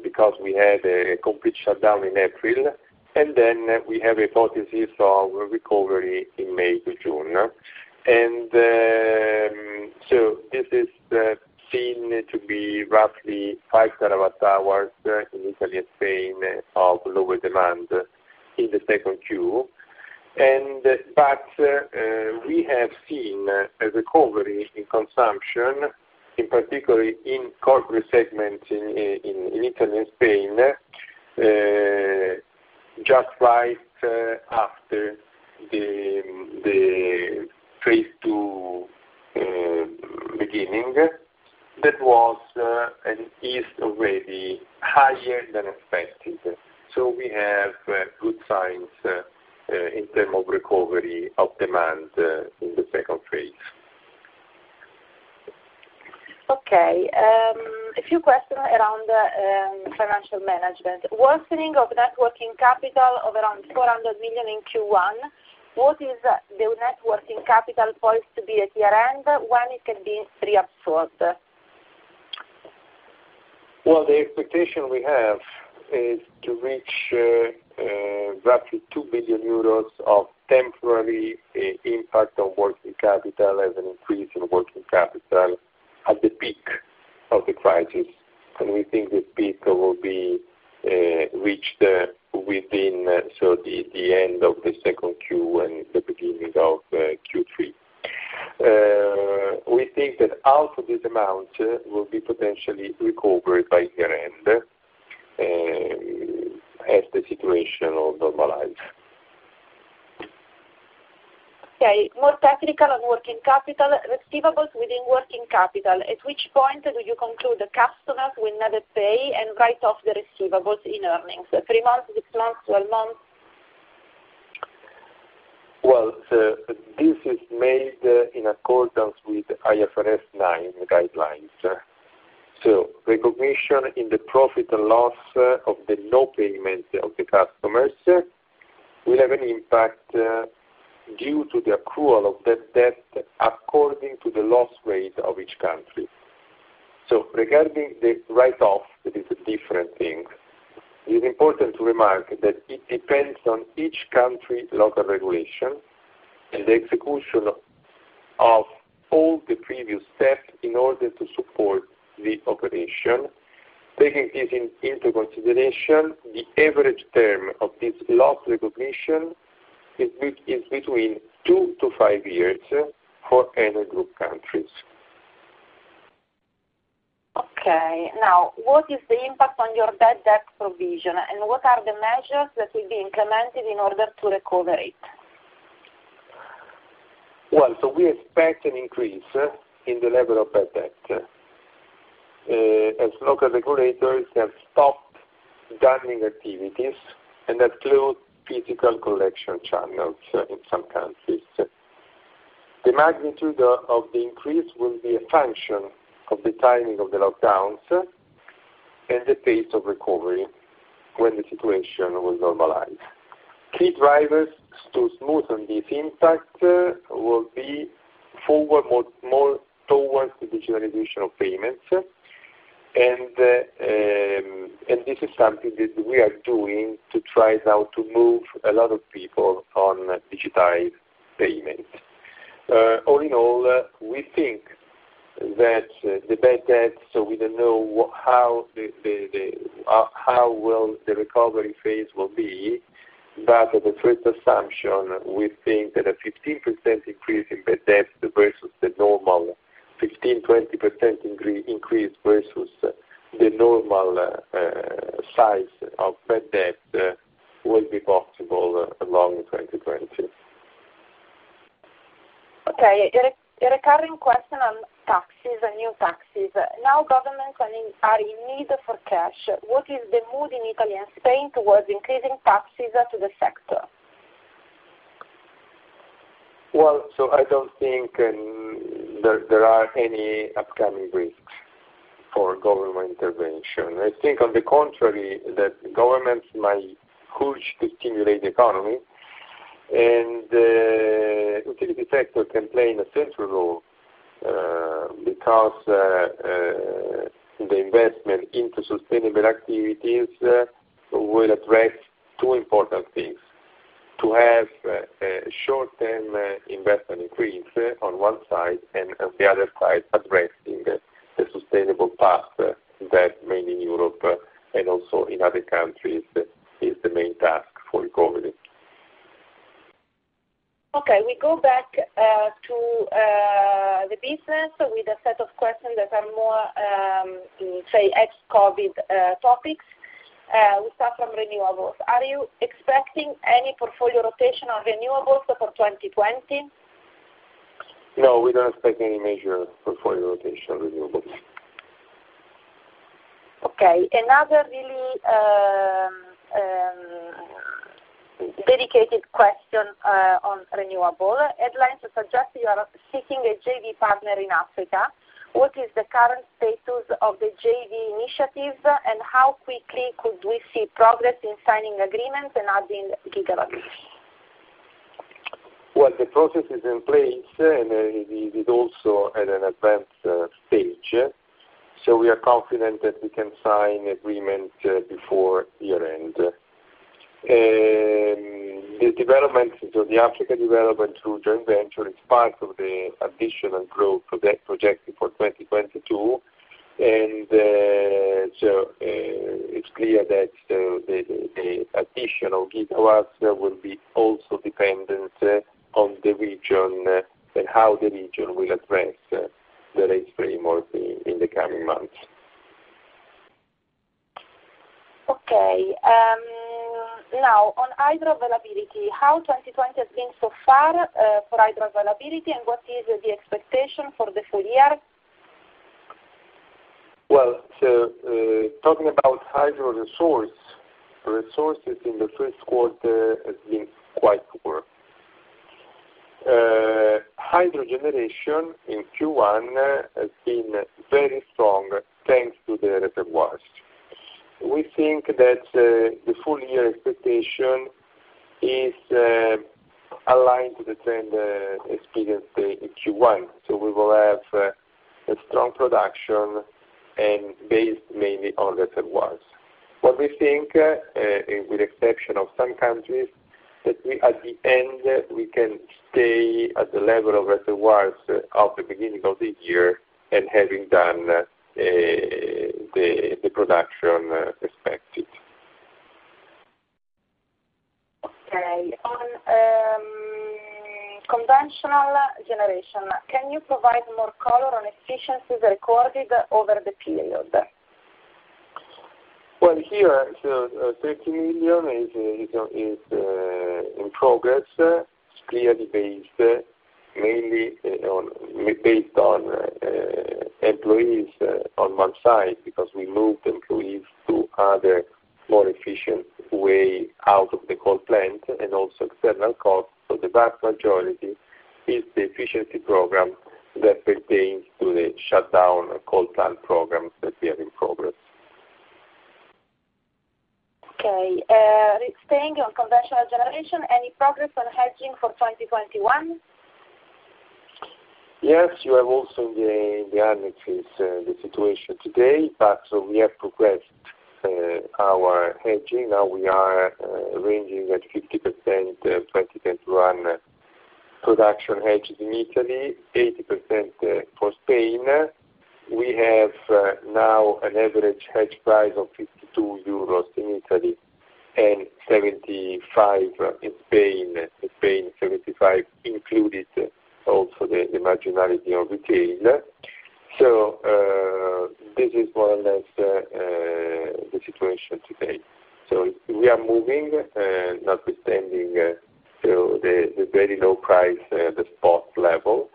because we had a complete shutdown in April, and then we have a hypothesis of recovery in May to June. This is seen to be roughly 5 TWh in Italy and Spain of lower demand in the second Q. We have seen a recovery in consumption, in particular in corporate segments in Italy and Spain, just right after the phase two beginning that was at least already higher than expected. We have good signs in terms of recovery of demand in the second phase. Okay. A few questions around financial management. Worsening of working capital of around 400 million in Q1, what is the working capital poised to be at year-end? When can it be reabsorbed? The expectation we have is to reach roughly 2 billion euros of temporary impact on working capital as an increase in working capital at the peak of the crisis. We think this peak will be reached within the end of the second Q and the beginning of Q3. We think that half of this amount will be potentially recovered by year-end as the situation will normalize. Okay. More technical on working capital. Receivables within working capital. At which point do you conclude the customers will never pay and write off the receivables in earnings? Three months, six months, twelve months? This is made in accordance with IFRS 9 guidelines. Recognition in the profit and loss of the no payment of the customers will have an impact due to the accrual of that debt according to the loss rate of each country. Regarding the write-off, it is a different thing. It is important to remark that it depends on each country's local regulation and the execution of all the previous steps in order to support the operation. Taking this into consideration, the average term of this loss recognition is between two to five years for Enel Group countries. Okay. Now, what is the impact on your bad debt provision, and what are the measures that will be implemented in order to recover it? We expect an increase in the level of bad debt as local regulators have stopped done negativities and have closed physical collection channels in some countries. The magnitude of the increase will be a function of the timing of the lockdowns and the pace of recovery when the situation will normalize. Key drivers to smoothen this impact will be forward more towards the digitalization of payments, and this is something that we are doing to try now to move a lot of people on digitized payments. All in all, we think that the bad debt, so we do not know how well the recovery phase will be, but as a first assumption, we think that a 15% increase in bad debt versus the normal 15%-20% increase versus the normal size of bad debt will be possible along 2020. Okay. A recurring question on taxes and new taxes. Now, governments are in need for cash. What is the mood in Italy and Spain towards increasing taxes to the sector? I don't think there are any upcoming risks for government intervention. I think, on the contrary, that governments might push to stimulate the economy, and the utility sector can play a central role because the investment into sustainable activities will address two important things: to have a short-term investment increase on one side and, on the other side, addressing the sustainable path that, mainly in Europe and also in other countries, is the main task for recovery. Okay. We go back to the business with a set of questions that are more, say, ex-COVID topics. We start from renewables. Are you expecting any portfolio rotation on renewables for 2020? No, we don't expect any major portfolio rotation on renewables. Okay. Another really dedicated question on renewable. Headlines suggest you are seeking a JV partner in Africa. What is the current status of the JV initiative, and how quickly could we see progress in signing agreements and adding gigawatts? The process is in place, and it is also at an advanced stage, so we are confident that we can sign agreements before year-end. The Africa Development Regional Venture is part of the additional growth projected for 2022, and so it's clear that the addition of gigawatts will be also dependent on the region and how the region will address the rate framework in the coming months. Okay. Now, on hydro availability, how has 2020 been so far for hydro availability, and what is the expectation for the full year? Talking about hydro resources, resources in the first quarter have been quite poor. Hydro generation in Q1 has been very strong thanks to the reservoirs. We think that the full year expectation is aligned to the trend experienced in Q1, so we will have a strong production based mainly on reservoirs. We think, with the exception of some countries, that at the end we can stay at the level of reservoirs of the beginning of the year and having done the production expected. Okay. On conventional generation, can you provide more color on efficiencies recorded over the period? Here, so 30 million is in progress. It is clearly based mainly on employees on one side because we moved employees to other more efficient ways out of the coal plant and also external costs. The vast majority is the efficiency program that pertains to the shutdown coal plant programs that we have in progress. Okay. Staying on conventional generation, any progress on hedging for 2021? Yes, you have also in the annexes the situation today, but we have progressed our hedging. Now we are ranging at 50% 2021 production hedges in Italy, 80% for Spain. We have now an average hedge price of 52 euros in Italy and 75 in Spain, with Spain 75 included also the marginality on retail. This is more or less the situation today. We are moving, notwithstanding the very low price, the spot level,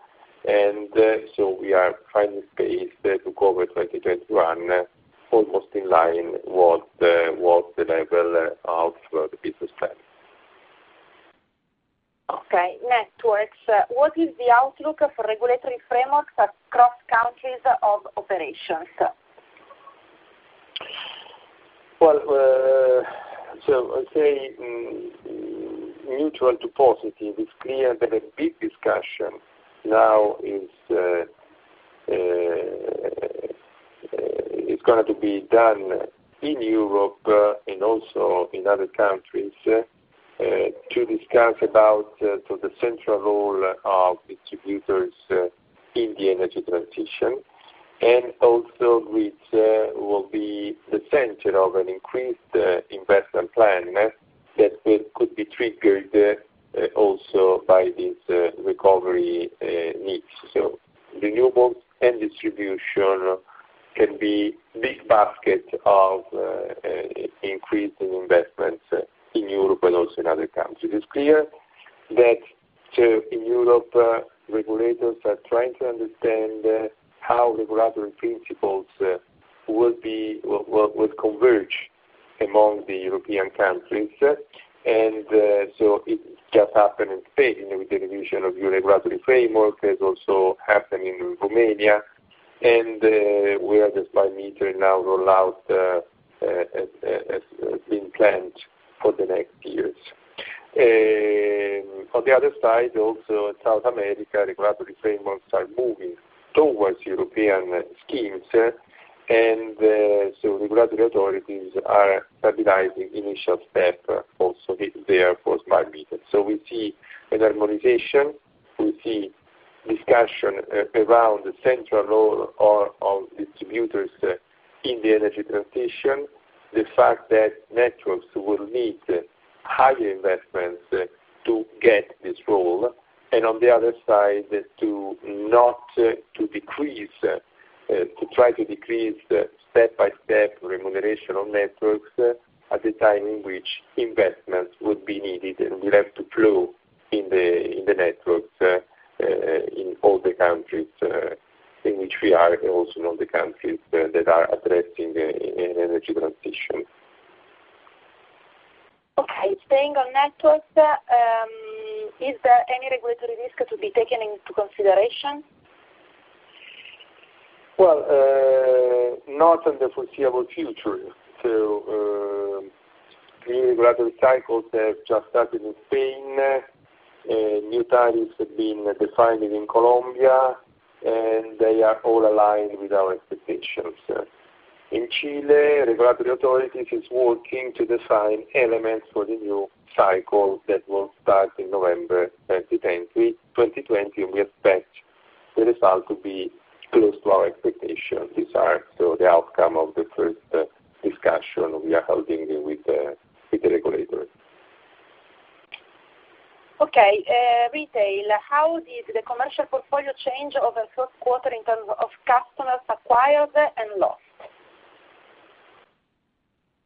and we are finding space to cover 2021 almost in line with the level of the business plan. Okay. Networks, what is the outlook for regulatory frameworks across countries of operations? I'd say neutral to positive. It's clear that a big discussion now is going to be done in Europe and also in other countries to discuss about the central role of distributors in the energy transition. Also, this will be the center of an increased investment plan that could be triggered by these recovery needs. Renewables and distribution can be a big basket of increased investments in Europe and also in other countries. It's clear that in Europe regulators are trying to understand how regulatory principles will converge among the European countries, and it just happened in Spain with the revision of your regulatory framework. It also happened in Romania, and we are just by meter now roll out as being planned for the next years. On the other side, also in South America, regulatory frameworks are moving towards European schemes, and regulatory authorities are stabilizing initial step also here for smart meters. We see a normalization. We see discussion around the central role of distributors in the energy transition, the fact that networks will need higher investments to get this role, and on the other side, to try to decrease step-by-step remuneration on networks at the time in which investments would be needed and will have to flow in the networks in all the countries in which we are and also in all the countries that are addressing the energy transition. Okay. Staying on networks, is there any regulatory risk to be taken into consideration? Not in the foreseeable future. New regulatory cycles have just started in Spain. New tariffs have been defined in Colombia, and they are all aligned with our expectations. In Chile, regulatory authorities are working to define elements for the new cycle that will start in November 2020, and we expect the result to be close to our expectations. These are the outcome of the first discussion we are holding with the regulator. Okay. Retail, how did the commercial portfolio change over the first quarter in terms of customers acquired and lost?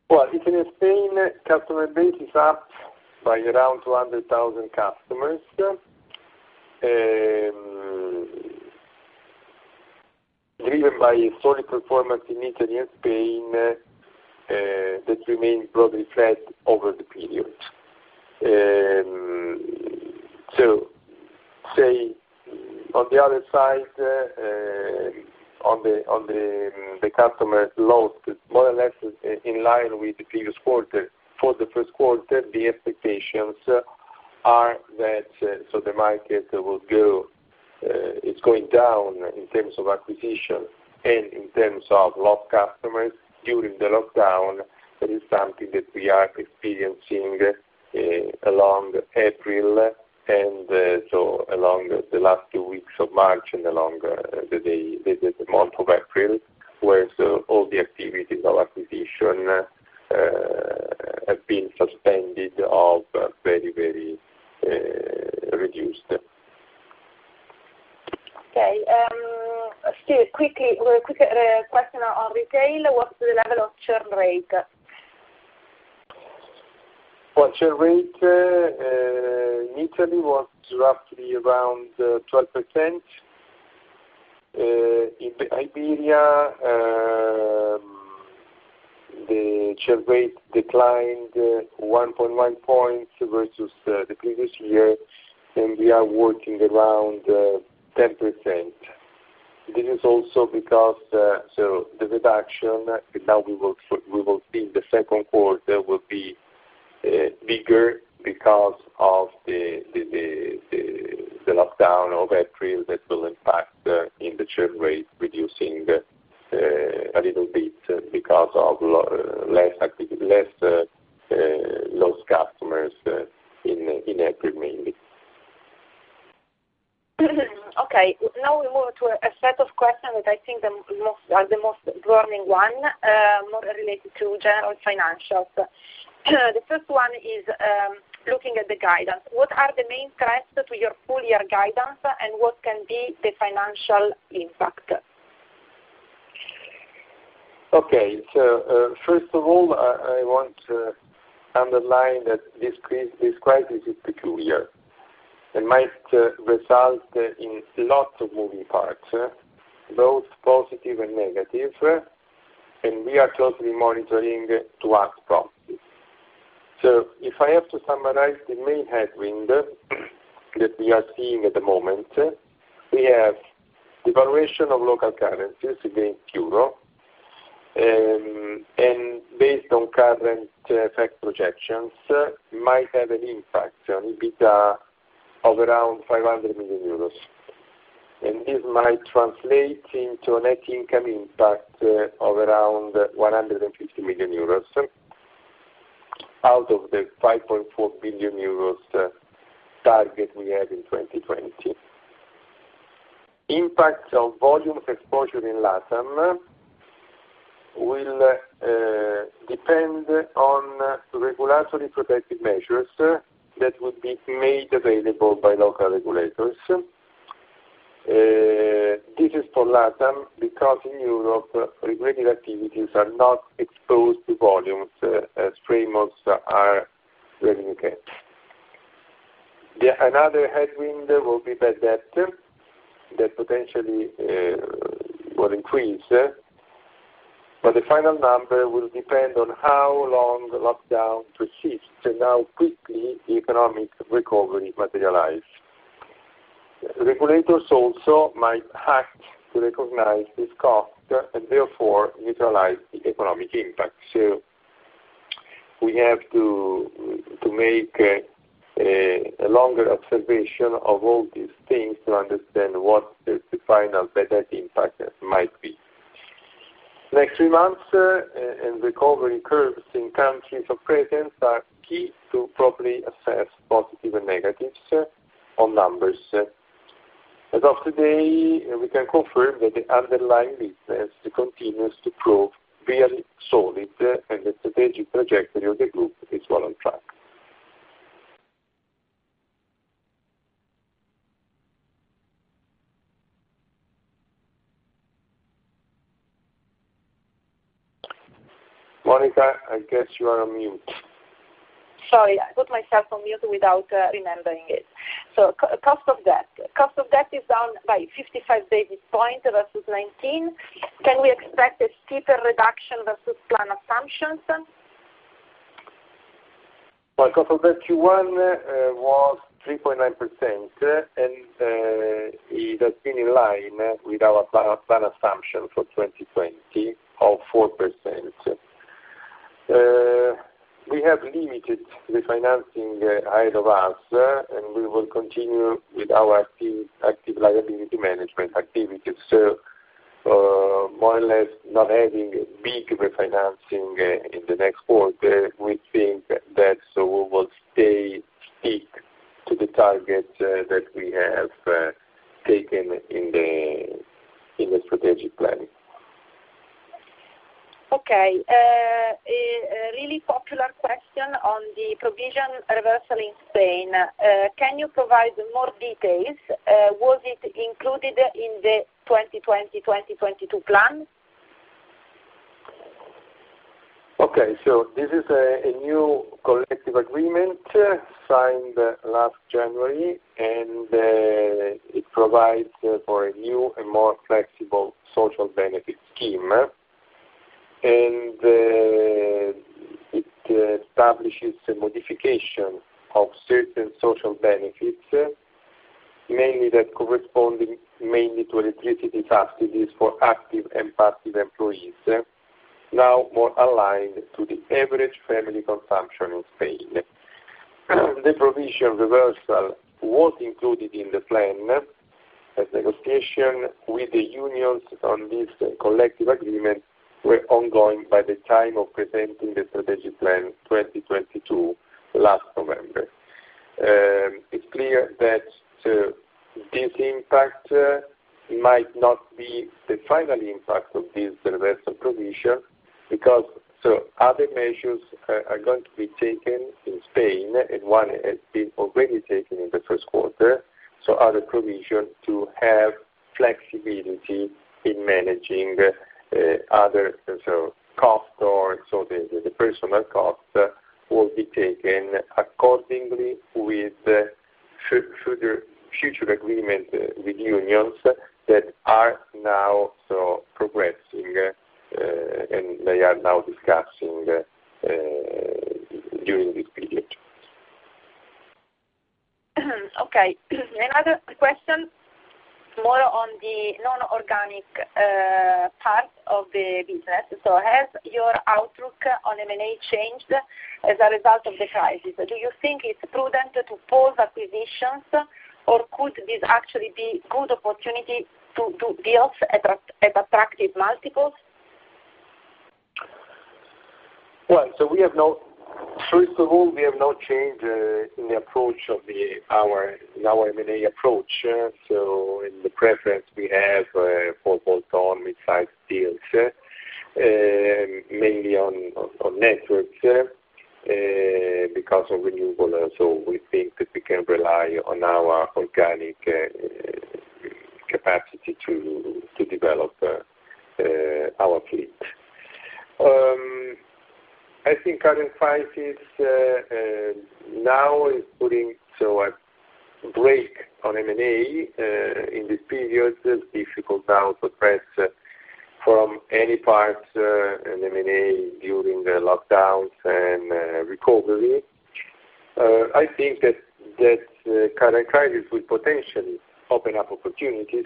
Italy and Spain, customer base is up by around 200,000 customers, driven by solid performance in Italy and Spain that remained broadly flat over the period. On the other side, on the customer loss, more or less in line with the previous quarter. For the first quarter, the expectations are that the market will go is going down in terms of acquisition and in terms of lost customers during the lockdown. That is something that we are experiencing along April and along the last two weeks of March and along the month of April, where all the activities of acquisition have been suspended or very, very reduced. Okay. Quick question on retail, what's the level of churn rate? Churn rate in Italy was roughly around 12%. In Iberia, the churn rate declined 1.1 percentage points versus the previous year, and we are working around 10%. This is also because the reduction that we will see in the second quarter will be bigger because of the lockdown of April that will impact the churn rate, reducing a little bit because of less lost customers in April mainly. Okay. Now we move to a set of questions that I think are the most burning one, more related to general financials. The first one is looking at the guidance. What are the main threats to your full year guidance, and what can be the financial impact? Okay. First of all, I want to underline that this crisis is peculiar. It might result in lots of moving parts, both positive and negative, and we are closely monitoring to ask promises. If I have to summarize the main headwind that we are seeing at the moment, we have devaluation of local currencies against EUR, and based on current FEC projections, it might have an impact on EBITDA of around 500 million euros. This might translate into a net income impact of around 150 million euros out of the 5.4 billion euros target we had in 2020. Impact of volume exposure in LATAM will depend on regulatory protective measures that would be made available by local regulators. This is for LATAM because in Europe, regulated activities are not exposed to volumes as frameworks are very limited. Another headwind will be bad debt that potentially will increase, but the final number will depend on how long the lockdown persists and how quickly the economic recovery materializes. Regulators also might have to recognize this cost and therefore neutralize the economic impact. We have to make a longer observation of all these things to understand what the final bad debt impact might be. Next three months and recovery curves in countries of presence are key to properly assess positives and negatives on numbers. As of today, we can confirm that the underlying weakness continues to prove really solid, and the strategic trajectory of the group is well on track. Monica, I guess you are on mute. Sorry, I put myself on mute without remembering it. Cost of debt is down by 55 basis points versus 2019. Can we expect a steeper reduction versus planned assumptions? Cost of debt Q1 was 3.9%, and it has been in line with our planned assumption for 2020 of 4%. We have limited refinancing ahead of us, and we will continue with our active liability management activities. More or less not having big refinancing in the next quarter, we think that we will stay stick to the targets that we have taken in the strategic planning. Okay. A really popular question on the provision reversal in Spain. Can you provide more details? Was it included in the 2020-2022 plan? Okay. This is a new collective agreement signed last January, and it provides for a new and more flexible social benefit scheme. It establishes a modification of certain social benefits, mainly that corresponding mainly to electricity subsidies for active and passive employees, now more aligned to the average family consumption in Spain. The provision reversal was included in the plan, and negotiation with the unions on this collective agreement were ongoing by the time of presenting the strategic plan 2022 last November. It is clear that this impact might not be the final impact of this reversal provision because other measures are going to be taken in Spain, and one has been already taken in the first quarter. Other provisions to have flexibility in managing other costs or so the personal costs will be taken accordingly with future agreements with unions that are now progressing, and they are now discussing Okay. Another question more on the non-organic part of the business. Has your outlook on M&A changed as a result of the crisis? Do you think it's prudent to pause acquisitions, or could this actually be a good opportunity to do deals at attractive multiples? We have no change in the approach of our M&A approach. In the preference, we have for bolt-on mid-size deals, mainly on networks because of renewables. We think that we can rely on our organic capacity to develop our fleet. I think current crisis now is putting a break on M&A in this period, difficult now to press from any part an M&A during the lockdowns and recovery. I think that current crisis will potentially open up opportunities,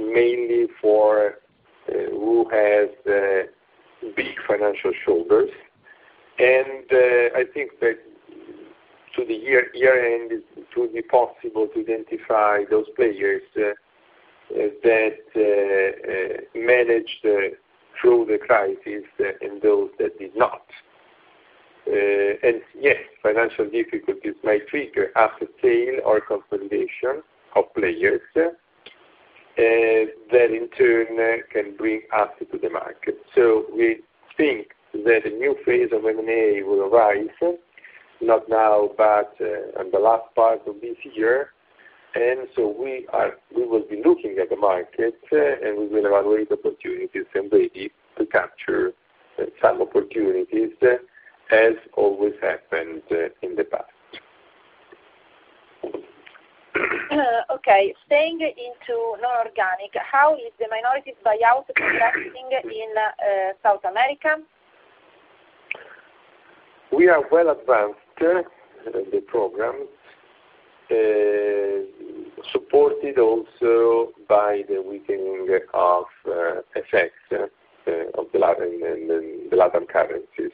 mainly for who has big financial shoulders. I think that to the year end, it will be possible to identify those players that managed through the crisis and those that did not. Yes, financial difficulties may trigger asset sale or consolidation of players that in turn can bring assets to the market. We think that a new phase of M&A will arise, not now, but in the last part of this year. We will be looking at the market, and we will evaluate opportunities and be ready to capture some opportunities, as always happened in the past. Okay. Staying into non-organic, how is the minority buyout progressing in South America? We are well advanced in the program, supported also by the weakening of FX of the LATAM currencies.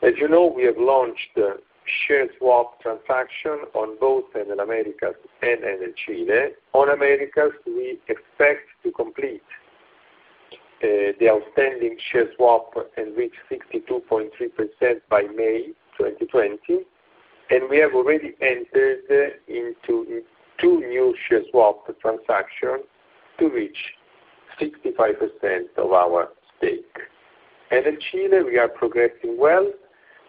As you know, we have launched share swap transactions on both in Americas and in Chile. On Americas, we expect to complete the outstanding share swap and reach 62.3% by May 2020. We have already entered into two new share swap transactions to reach 65% of our stake. In Chile, we are progressing well,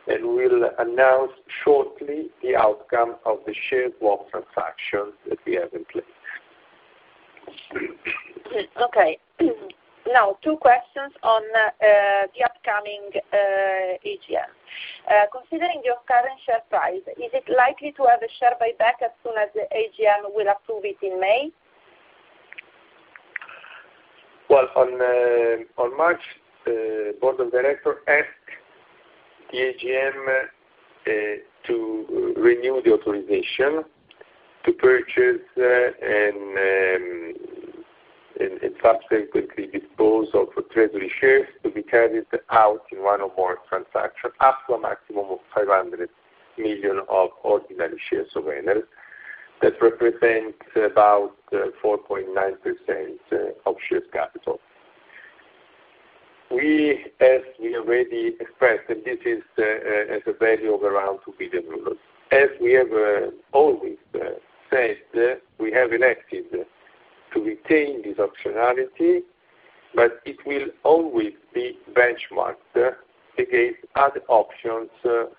and we will announce shortly the outcome of the share swap transactions that we have in place. Okay. Now, two questions on the upcoming AGM. Considering your current share price, is it likely to have a share buyback as soon as the AGM will approve it in May? In March, the board of directors asked the AGM to renew the authorization to purchase and subsequently dispose of treasury shares to be carried out in one or more transactions up to a maximum of 500 million ordinary shares of Enel that represent about 4.9% of share capital. We already expressed that this is at a value of around 2 billion euros. As we have always said, we have elected to retain this optionality, but it will always be benchmarked against other options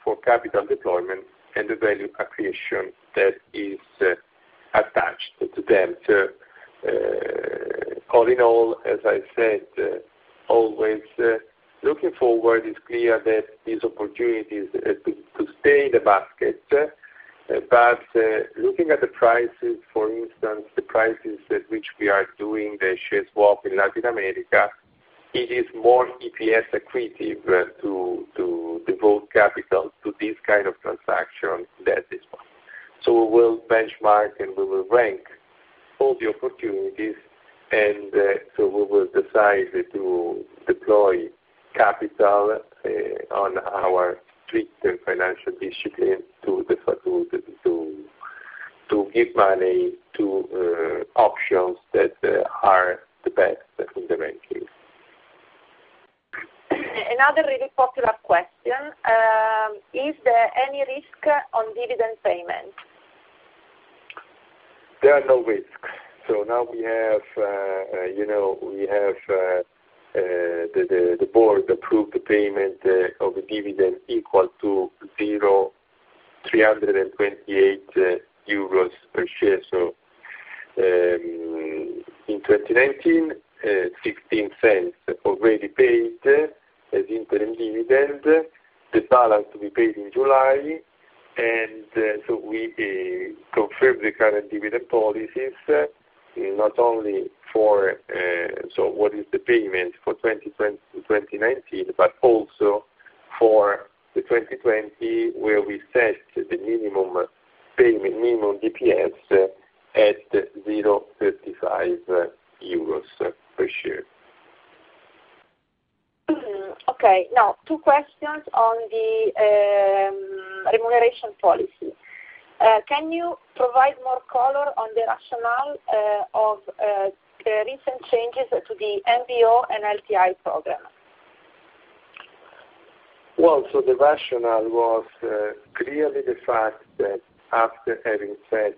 for capital deployment and the value accretion that is attached to them. All in all, as I said, always looking forward, it's clear that these opportunities stay in the basket. Looking at the prices, for instance, the prices at which we are doing the share swap in Latin America, it is more EPS accretive to devote capital to this kind of transaction than this one. We will benchmark, and we will rank all the opportunities, and we will decide to deploy capital on our strict financial discipline to give money to options that are the best in the ranking. Another really popular question: Is there any risk on dividend payment? There are no risks. Now we have the board approved the payment of a dividend equal to 0.328 euros per share. In 2019, 0.16 already paid as interim dividend. The balance to be paid in July. We confirmed the current dividend policies, not only for what is the payment for 2019, but also for 2020, where we set the minimum payment, minimum EPS at EUR 0.35 per share. Okay. Now, two questions on the remuneration policy. Can you provide more color on the rationale of the recent changes to the NBO and LTI program? The rationale was clearly the fact that after having set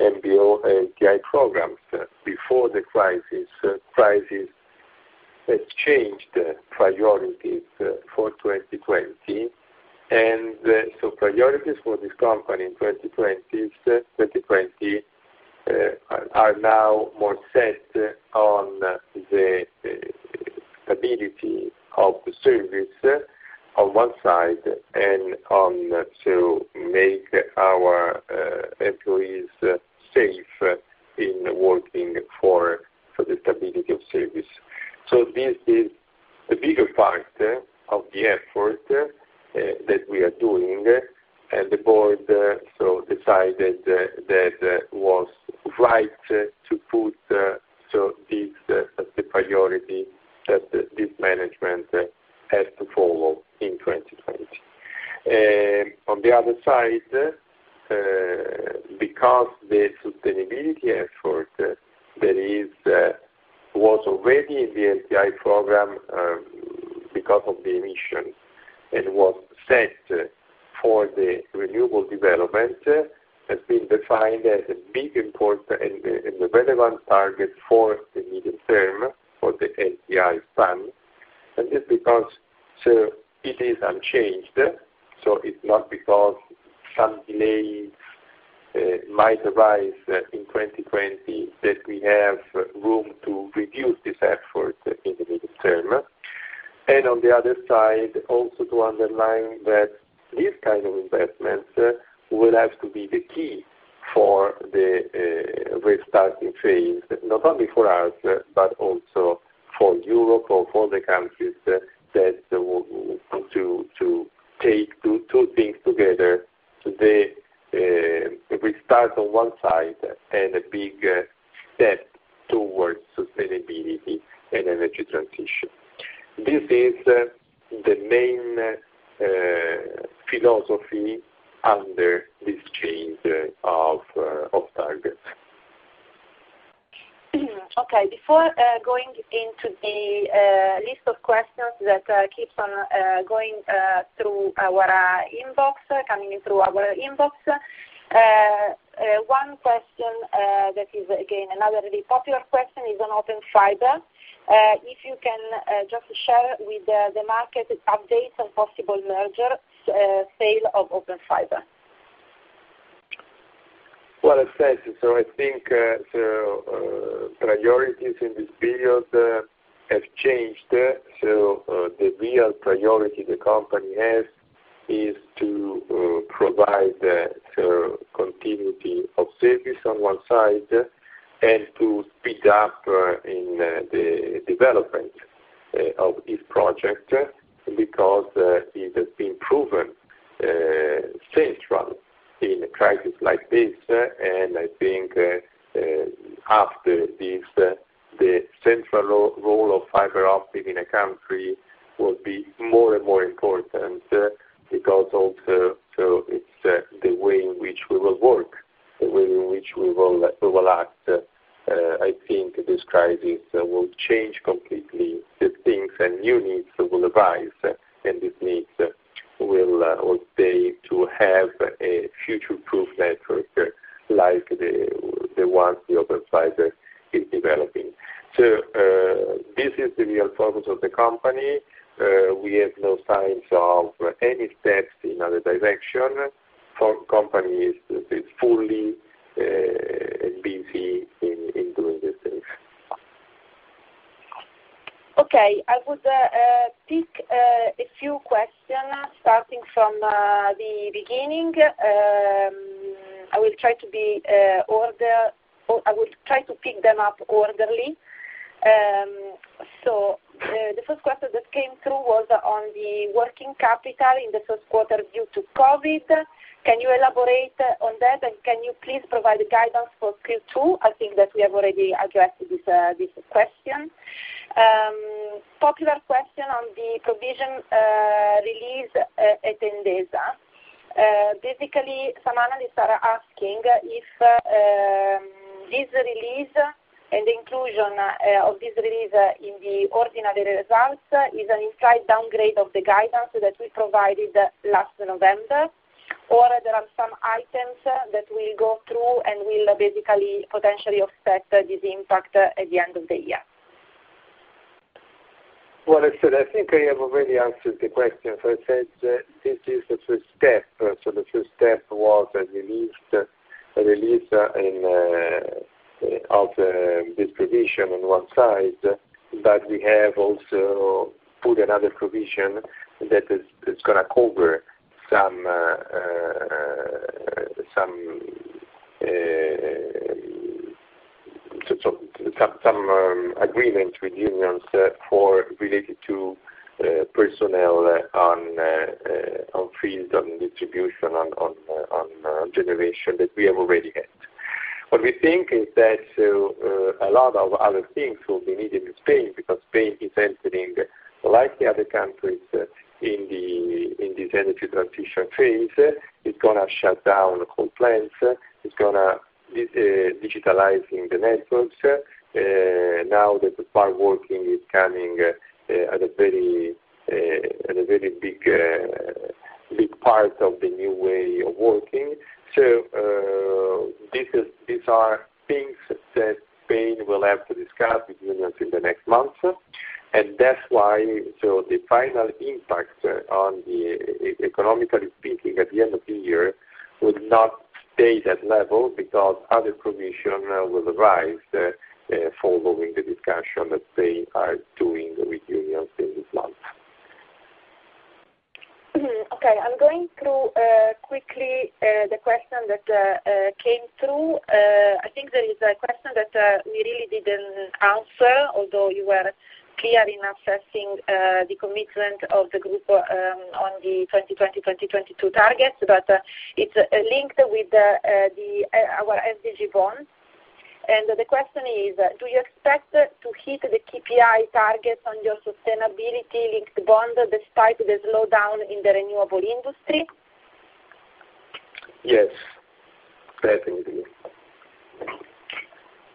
NBO and LTI programs before the crisis, crisis has changed priorities for 2020. Priorities for this company in 2020 are now more set on the stability of the service on one side and on to make our employees safe in working for the stability of service. This is the bigger part of the effort that we are doing. The board decided that it like the one Open Fiber is developing. This is the real focus of the company. We have no signs of any steps in other direction. The company is fully busy in doing this thing. Okay. I would pick a few questions starting from the beginning. I will try to be in order, I will try to pick them up orderly. The first question that came through was on the working capital in the first quarter due to COVID. Can you elaborate on that? Can you please provide guidance for Q2? I think that we have already addressed this question. Popular question on the provision release at Endesa. Basically, some analysts are asking if this release and the inclusion of this release in the ordinary results is an implied downgrade of the guidance that we provided last November, or there are some items that will go through and will basically potentially offset this impact at the end of the year. I think I have already answered the question. I said this is the first step. The first step was a release of this provision on one side, but we have also put another provision that is going to cover some agreements with unions related to personnel on field, on distribution, on generation that we have already had. What we think is that a lot of other things will be needed in Spain because Spain is entering, like the other countries, in this energy transition phase. It is going to shut down the whole plants. It is going to digitalize the networks. Now that the fireworking is coming at a very big part of the new way of working. These are things that Spain will have to discuss with unions in the next months. That is why the final impact, economically speaking, at the end of the year will not stay at that level because other provisions will arise following the discussion that they are doing with unions in this month. Okay. I'm going through quickly the question that came through. I think there is a question that we really didn't answer, although you were clear in assessing the commitment of the group on the 2020-2022 targets, but it's linked with our SDG bond. The question is, do you expect to hit the KPI targets on your sustainability-linked bond despite the slowdown in the renewable industry? Yes, definitely.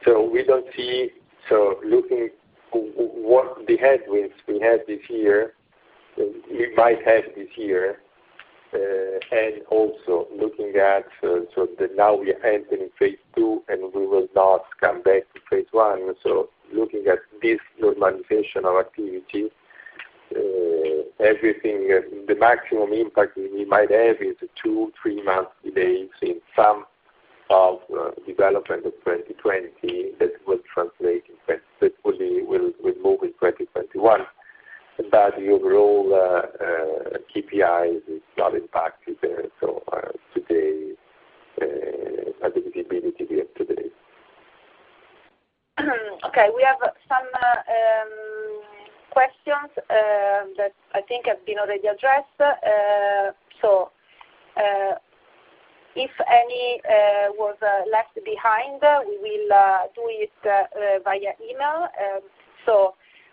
We do not see, so looking at what we had this year, we might have this year. Also, now we are entering phase two, and we will not come back to phase one. Looking at this normalization of activity, everything, the maximum impact we might have is two- to three-month delays in some of the development of 2020 that will translate in, that will move in 2021. The overall KPI is not impacted today at the visibility we have today. Okay. We have some questions that I think have been already addressed. If any were left behind, we will do it via email.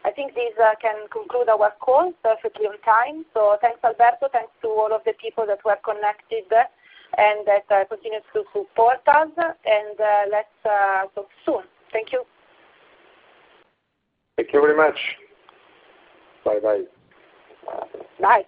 I think this can conclude our call perfectly on time. Thanks, Alberto. Thanks to all of the people that were connected and that continued to support us. Let's talk soon. Thank you. Thank you very much. Bye-bye. Bye.